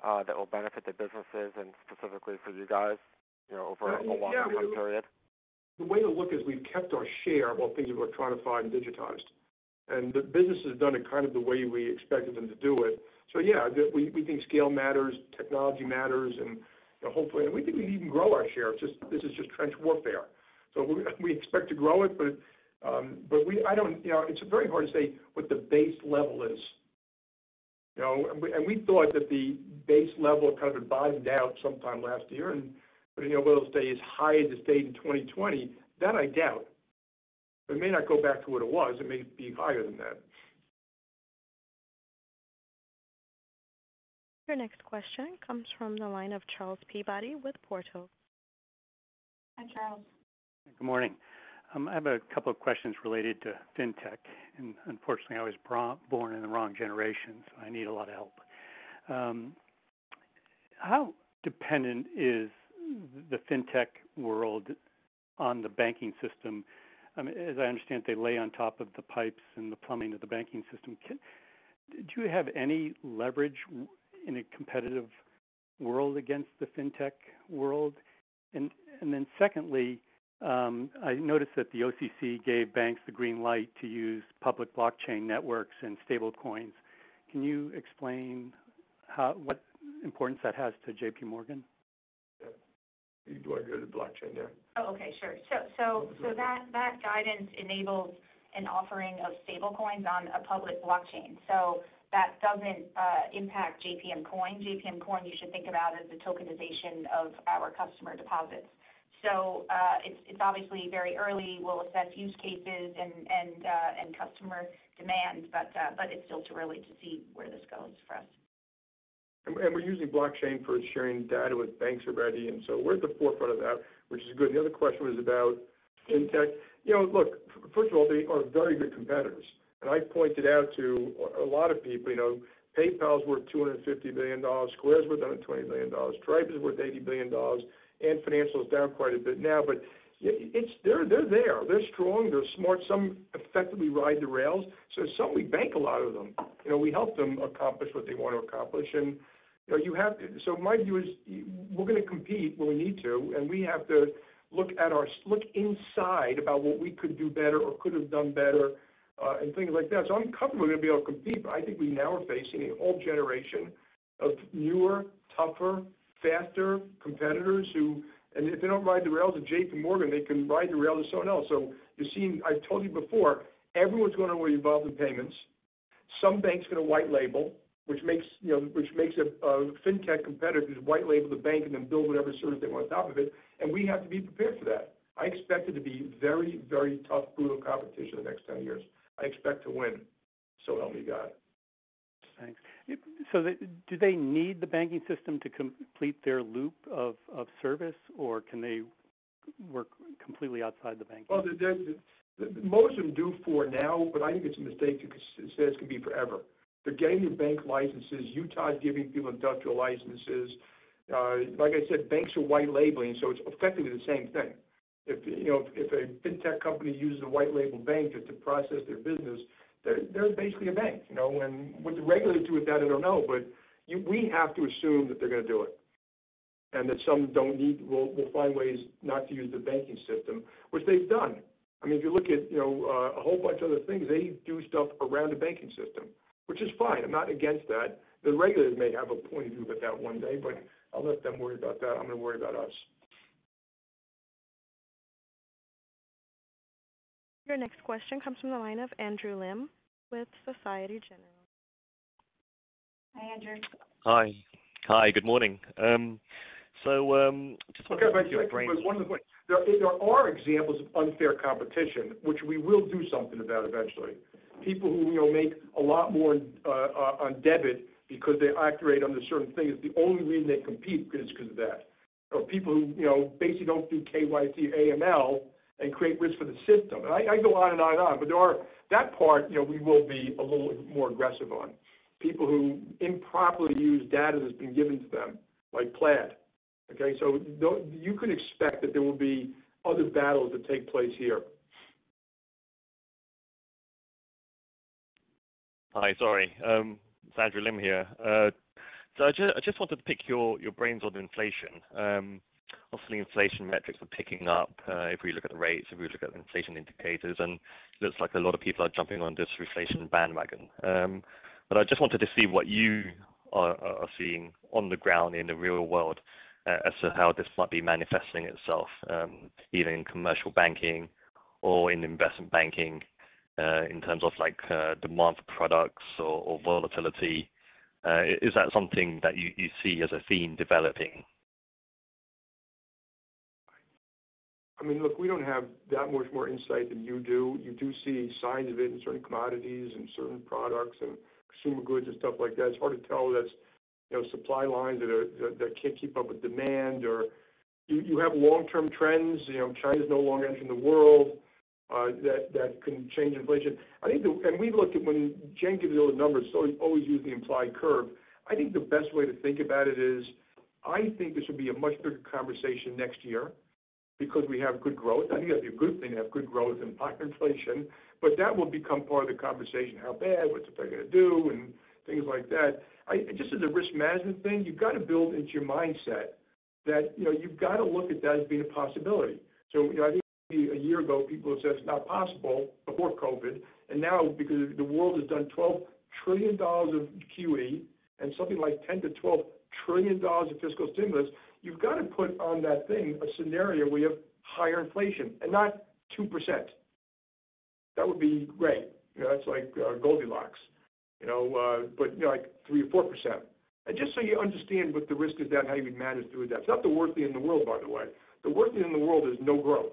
that will benefit the businesses and specifically for you guys over a long time period? The way to look is we've kept our share while things have electronified and digitized. The business has done it kind of the way we expected them to do it. Yeah, we think scale matters, technology matters, and hopefully we think we can even grow our share. This is just trench warfare. We expect to grow it, but it's very hard to say what the base level is. We thought that the base level kind of had bottomed out sometime last year. Will it stay as high as it stayed in 2020? That I doubt. It may not go back to what it was. It may be higher than that. Your next question comes from the line of Charles Peabody with Portales. Hi, Charles. Good morning. I have a couple of questions related to fintech. Unfortunately, I was born in the wrong generation, so I need a lot of help. How dependent is the fintech world on the banking system? As I understand it, they lay on top of the pipes and the plumbing of the banking system. Do you have any leverage in a competitive world against the fintech world? Secondly, I noticed that the OCC gave banks the green light to use public blockchain networks and stablecoins. Can you explain what importance that has to JPMorgan? Do you want to go to the blockchain there? Oh, okay. Sure. That guidance enables an offering of stablecoins on a public blockchain. That doesn't impact JPM Coin. JPM Coin you should think about as the tokenization of our customer deposits. It's obviously very early. We'll assess use cases and customer demand, but it's still too early to see where this goes for us. We're using blockchain for sharing data with banks already. We're at the forefront of that, which is good. The other question was about fintech. Look, first of all, they are very good competitors. I pointed out to a lot of people, PayPal's worth $250 billion. Square's worth $120 billion. Stripe is worth $80 billion. Ant Financial is down quite a bit now, but they're there. They're strong, they're smart. Some effectively ride the rails. Some, we bank a lot of them. We help them accomplish what they want to accomplish. My view is we're going to compete when we need to, and we have to look inside about what we could do better or could have done better, and things like that. I'm comfortable we're going to be able to compete, but I think we now are facing a whole generation of newer, tougher, faster competitors who, and if they don't ride the rails of JPMorgan, they can ride the rails of someone else. I've told you before, everyone's going to want to be involved in payments. Some banks are going to white label. Which makes a fintech competitor who's white label to bank and then build whatever service they want on top of it. We have to be prepared for that. I expect it to be very tough, brutal competition the next 10 years. I expect to win, so help me God. Thanks. Do they need the banking system to complete their loop of service, or can they work completely outside the banking system? Well, most of them do for now. I think it's a mistake to say it's going to be forever. They're getting their bank licenses. Utah's giving people industrial licenses. Like I said, banks are white labeling. It's effectively the same thing. If a fintech company uses a white label bank to process their business, they're basically a bank. What the regulators do with that, I don't know. We have to assume that they're going to do it, and that some will find ways not to use the banking system, which they've done. If you look at a whole bunch of other things, they do stuff around the banking system, which is fine. I'm not against that. The regulators may have a point of view about that one day. I'll let them worry about that. I'm going to worry about us. Your next question comes from the line of Andrew Lim with Societe Generale. Hi, Andrew. Hi. Good morning. Okay. If I could, because one other point. There are examples of unfair competition, which we will do something about eventually. People who make a lot more on debit because they operate under certain things. The only reason they compete is because of that. People who basically don't do KYC/AML and create risk for the system. I can go on and on, but that part, we will be a little more aggressive on. People who improperly use data that's been given to them, like Plaid. Okay. You can expect that there will be other battles that take place here. Hi. Sorry. It's Andrew Lim here. I just wanted to pick your brains on inflation. Obviously, inflation metrics are picking up. If we look at rates, if we look at inflation indicators, looks like a lot of people are jumping on this reflation bandwagon. I just wanted to see what you are seeing on the ground in the real world, as to how this might be manifesting itself, either in commercial banking or in investment banking, in terms of demand for products or volatility. Is that something that you see as a theme developing? Look, we don't have that much more insight than you do. You do see signs of it in certain commodities and certain products and consumer goods and stuff like that. It's hard to tell. That's supply lines that can't keep up with demand, or you have long-term trends. China's no longer entering the world. That can change inflation. When Jen gives you all the numbers, always use the implied curve. I think the best way to think about it is, I think this will be a much bigger conversation next year because we have good growth. I think that'd be a good thing to have good growth and inflation. That will become part of the conversation. How bad? What are they going to do? Things like that. Just as a risk management thing, you've got to build into your mindset that you've got to look at that as being a possibility. I think a year ago, people would say it's not possible, before COVID. Now, because the world has done $12 trillion of QE and something like $10 trillion-$12 trillion of fiscal stimulus, you've got to put on that thing a scenario where you have higher inflation. Not 2%. That would be great. That's like Goldilocks. Like 3% or 4%. Just so you understand what the risk is that how you would manage through that. It's not the worst thing in the world, by the way. The worst thing in the world is no growth.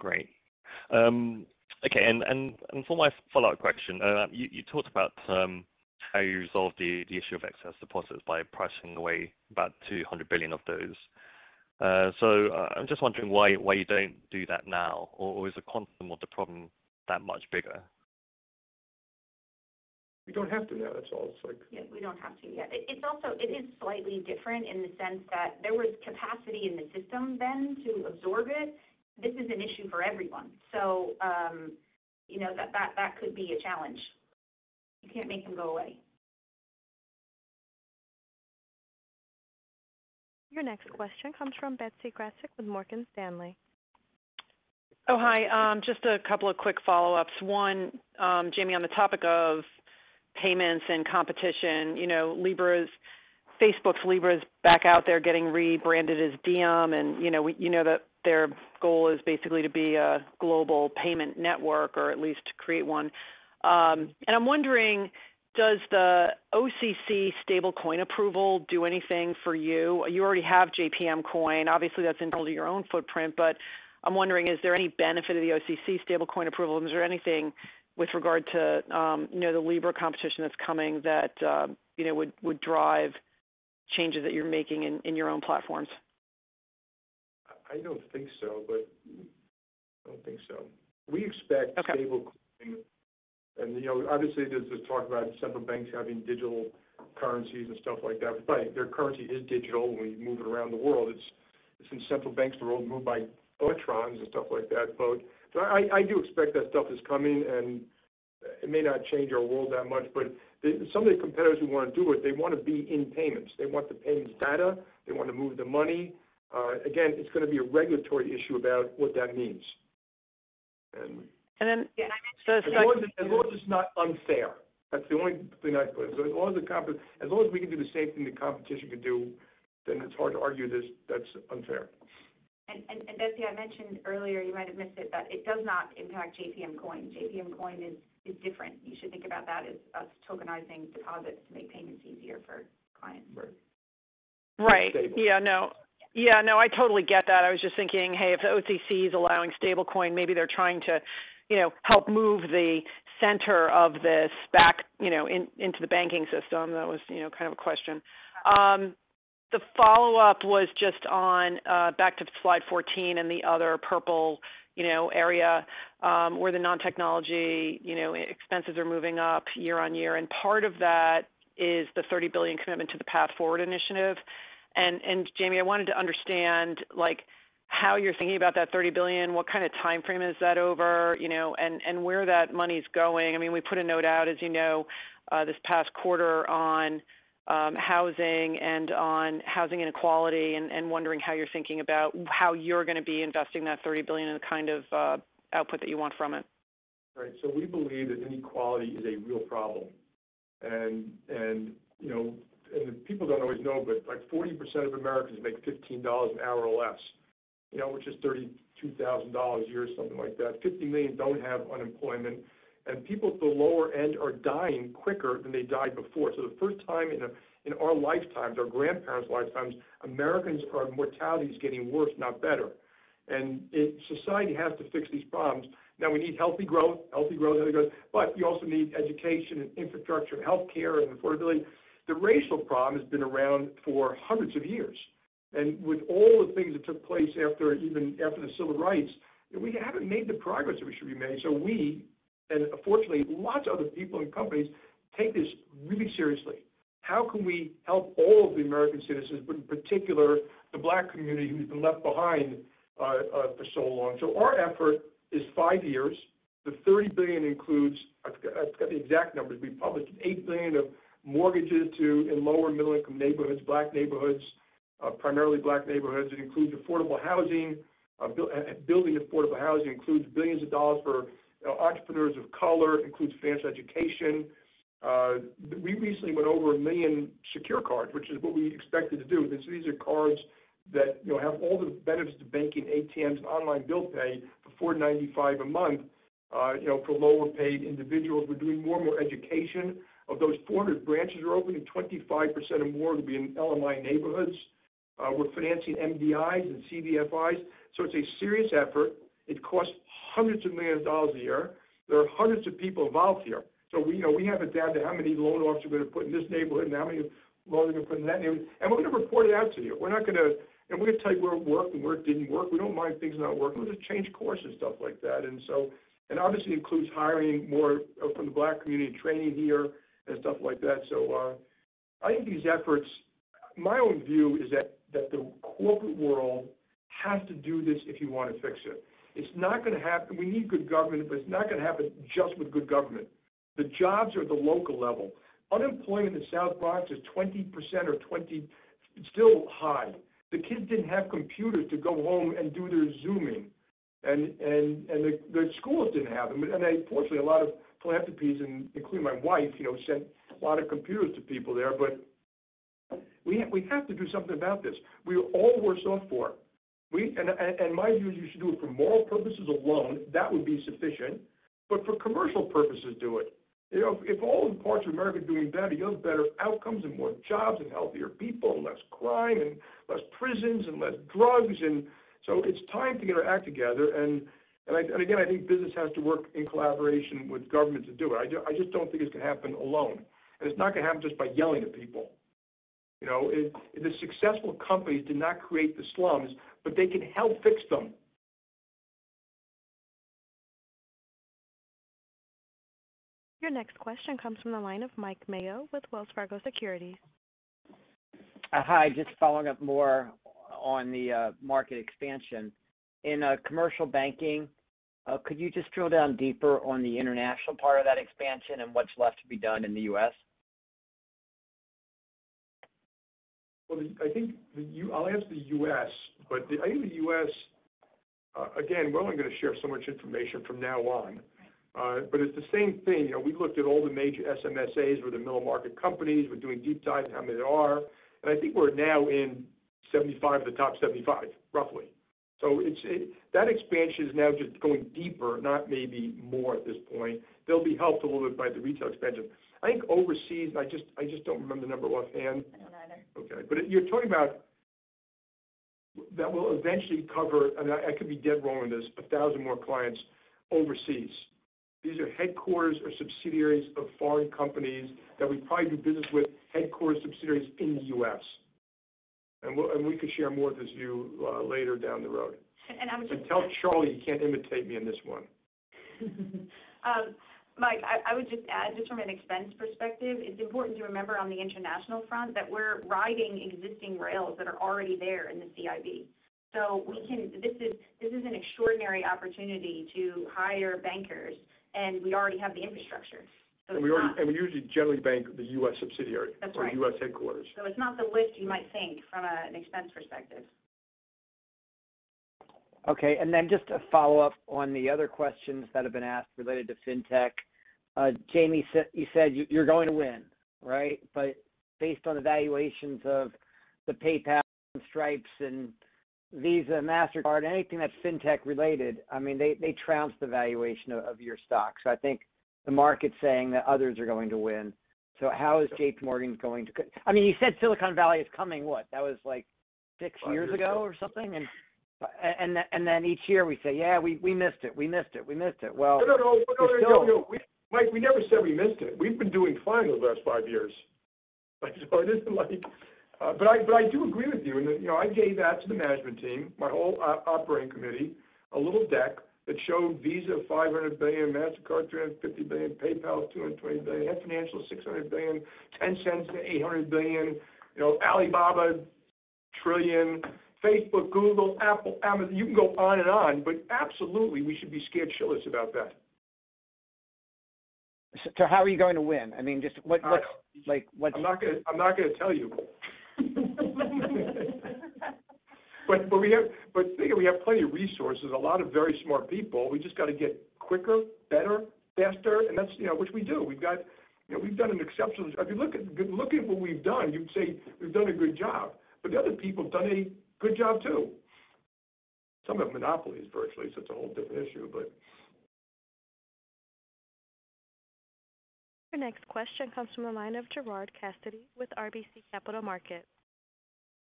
Great. Okay. For my follow-up question, you talked about how you resolved the issue of excess deposits by pricing away about $200 billion of those. I'm just wondering why you don't do that now? Is the quantum of the problem that much bigger? We don't have to now. That's all. Yeah, we don't have to yet. It is slightly different in the sense that there was capacity in the system then to absorb it. This is an issue for everyone. That could be a challenge. You can't make them go away. Your next question comes from Betsy Graseck with Morgan Stanley. Oh, hi. Just a couple of quick follow-ups. One, Jamie, on the topic of payments and competition. Facebook's Libra is back out there getting rebranded as Diem, you know that their goal is basically to be a global payment network or at least to create one. I'm wondering, does the OCC stablecoin approval do anything for you? You already have JPM Coin. Obviously, that's internal to your own footprint. I'm wondering, is there any benefit of the OCC stablecoin approval? Is there anything with regard to the Libra competition that's coming that would drive changes that you're making in your own platforms? I don't think so. There's this talk about central banks having digital currencies and stuff like that. Their currency is digital when you move it around the world. It's in central banks, they're all moved by electrons and stuff like that. I do expect that stuff is coming, and it may not change our world that much. Some of the competitors who want to do it, they want to be in payments. They want the payments data. They want to move the money. It's going to be a regulatory issue about what that means. And then- As long as it's not unfair. That's the only thing I'd put. As long as we can do the same thing the competition can do, then it's hard to argue that's unfair. Betsy, I mentioned earlier, you might have missed it, but it does not impact JPM Coin. JPM Coin is different. You should think about that as us tokenizing deposits to make payments easier for clients. Right. Right. Stable. Yeah, no, I totally get that. I was just thinking, hey, if the OCC is allowing stablecoin, maybe they're trying to help move the center of this back into the banking system. That was kind of a question. The follow-up was just on back to slide 14 and the other purple area, where the non-technology expenses are moving up year on year, and part of that is the $30 billion commitment to the Path Forward initiative. Jamie, I wanted to understand how you're thinking about that $30 billion, what kind of timeframe is that over, and where that money's going. We put a note out, as you know, this past quarter on housing and on housing inequality, and wondering how you're thinking about how you're going to be investing that $30 billion and the kind of output that you want from it. Right. We believe that inequality is a real problem. People don't always know, but 40% of Americans make $15 an hour or less, which is $32,000 a year, something like that. 50 million don't have unemployment, and people at the lower end are dying quicker than they died before. The first time in our lifetimes, our grandparents' lifetimes, Americans, our mortality is getting worse, not better. Society has to fix these problems. Now we need healthy growth. Healthy growth, but you also need education and infrastructure and healthcare and affordability. The racial problem has been around for hundreds of years. With all the things that took place even after the Civil Rights, we haven't made the progress that we should be making. We, and fortunately, lots of other people and companies take this really seriously. How can we help all of the American citizens, but in particular, the Black community who's been left behind for so long? Our effort is five years. The $30 billion includes. I've got the exact numbers. We've published $8 billion of mortgages in lower middle-income neighborhoods, Black neighborhoods, primarily Black neighborhoods. It includes affordable housing. Building affordable housing includes billions of dollars for entrepreneurs of color. It includes financial education. We recently went over one million Secure Banking, which is what we expected to do. These are cards that have all the benefits to banking, ATMs, online bill pay for $4.95 a month for lower-paid individuals. We're doing more and more education. Of those 400 branches we're opening, 25% or more will be in LMI neighborhoods. We're financing MDIs and CDFIs. It's a serious effort. It costs hundreds of millions of dollars a year. There are hundreds of people involved here. We have it down to how many loan officers we're going to put in this neighborhood, and how many loans we're going to put in that neighborhood. We're going to report it out to you. We're going to tell you where it worked and where it didn't work. We don't mind things not working. We'll just change course and stuff like that. Obviously includes hiring more from the Black community, training here, and stuff like that. I think these efforts, my own view is that the corporate world has to do this if you want to fix it. We need good government, but it's not going to happen just with good government. The jobs are at the local level. Unemployment in the South Bronx is 20%. Still high. The kids didn't have computers to go home and do their Zooming. Their schools didn't have them. Fortunately, a lot of philanthropies, including my wife, sent a lot of computers to people there, but we have to do something about this. We all were so for. My view is you should do it for moral purposes alone. That would be sufficient. For commercial purposes, do it. If all the parts of America are doing better, you have better outcomes and more jobs and healthier people and less crime and less prisons and less drugs. It's time to get our act together. Again, I think business has to work in collaboration with government to do it. I just don't think it's going to happen alone. It's not going to happen just by yelling at people. The successful companies did not create the slums, but they can help fix them. Your next question comes from the line of Mike Mayo with Wells Fargo Securities. Hi, just following up more on the market expansion. In commercial banking, could you just drill down deeper on the international part of that expansion and what's left to be done in the U.S.? Well, I'll answer the U.S. I think the U.S., again, we're only going to share so much information from now on. It's the same thing. We looked at all the major MSAs. We're the middle market companies. We're doing deep dive on how many there are. I think we're now in 75 of the Top 75, roughly. That expansion is now just going deeper, not maybe more at this point. They'll be helped a little bit by the retail expansion. I think overseas, I just don't remember the number offhand. I don't either. Okay. You're talking about that we'll eventually cover, and I could be dead wrong on this, 1,000 more clients overseas. These are headquarters or subsidiaries of foreign companies that we probably do business with headquarters subsidiaries in the U.S. We can share more with you later down the road. And I would just- Tell Charlie you can't imitate me on this one. Mike, I would just add, just from an expense perspective, it's important to remember on the international front that we're riding existing rails that are already there in the CIB. This is an extraordinary opportunity to hire bankers, and we already have the infrastructure. we usually generally bank the U.S. subsidiary. That's right. or U.S. headquarters. It's not the lift you might think from an expense perspective. Just a follow-up on the other questions that have been asked related to fintech. Jamie, you said you're going to win, right? Based on the valuations of the PayPals and Stripes and Visa, Mastercard, anything that's fintech-related, they trounced the valuation of your stock. I think the market's saying that others are going to win. How is JPMorgan going to I mean, you said Silicon Valley is coming, what? That was six years ago. Five years ago. or something. Each year we say, "Yeah, we missed it. We missed it. We missed it. No, no. No, no you still- Mike, we never said we missed it. We've been doing fine over the last five years. I do agree with you. I gave that to the management team, my whole operating committee, a little deck that showed Visa, $500 billion, Mastercard, $350 billion, PayPal, $220 billion, Ant Financial, $600 billion, Tencent, $800 billion, Alibaba, $1 trillion, Facebook, Google, Apple, Amazon. You can go on and on. Absolutely, we should be scared shitless about that. How are you going to win? I mean. I'm not going to tell you. The thing is, we have plenty of resources, a lot of very smart people. We've just got to get quicker, better, faster, and that's which we do. If you look at what we've done, you'd say we've done a good job. The other people have done a good job, too. Some have monopolies virtually, it's a whole different issue. Your next question comes from the line of Gerard Cassidy with RBC Capital Markets.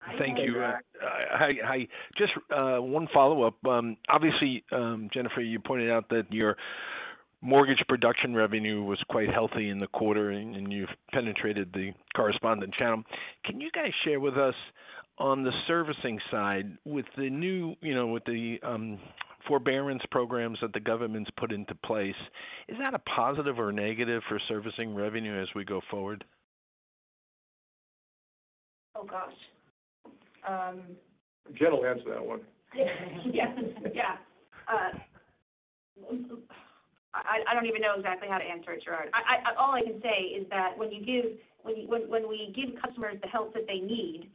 Hi, Gerard. Hi. Thank you. Hi. Just one follow-up. Obviously, Jennifer, you pointed out that your mortgage production revenue was quite healthy in the quarter. You've penetrated the correspondent channel. Can you guys share with us on the servicing side with the forbearance programs that the government's put into place, is that a positive or a negative for servicing revenue as we go forward? Oh, gosh. Jen will answer that one. Yeah. I don't even know exactly how to answer it, Gerard. All I can say is that when we give customers the help that they need,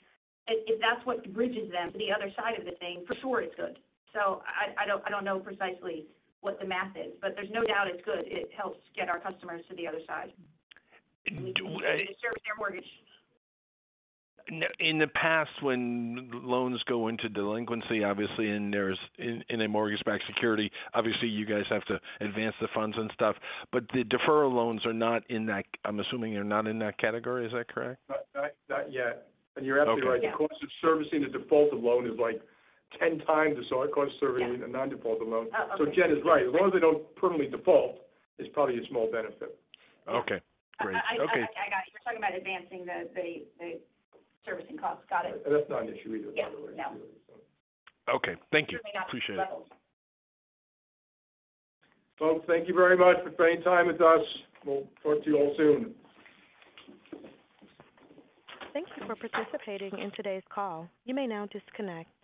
if that's what bridges them to the other side of the thing, for sure it's good. I don't know precisely what the math is, but there's no doubt it's good. It helps get our customers to the other side. Do- We can service their mortgage. In the past, when loans go into delinquency, obviously, in a mortgage-backed security, obviously you guys have to advance the funds and stuff, but the deferral loans are not in that, I'm assuming they're not in that category. Is that correct? Not yet. You're absolutely right. Okay. Yeah. The cost of servicing the defaulted loan is like 10x or so it costs to. Yeah service a non-defaulted loan. Oh, okay. Jen is right. As long as they don't permanently default, it's probably a small benefit. Okay, great. Okay. I got you. You're talking about advancing the servicing cost. Got it. That's not an issue we've ever thought- Yeah, no. about anyway. Okay, thank you. Appreciate it. Certainly not at this level. Folks, thank you very much for spending time with us. We'll talk to you all soon. Thank you for participating in today's call. You may now disconnect.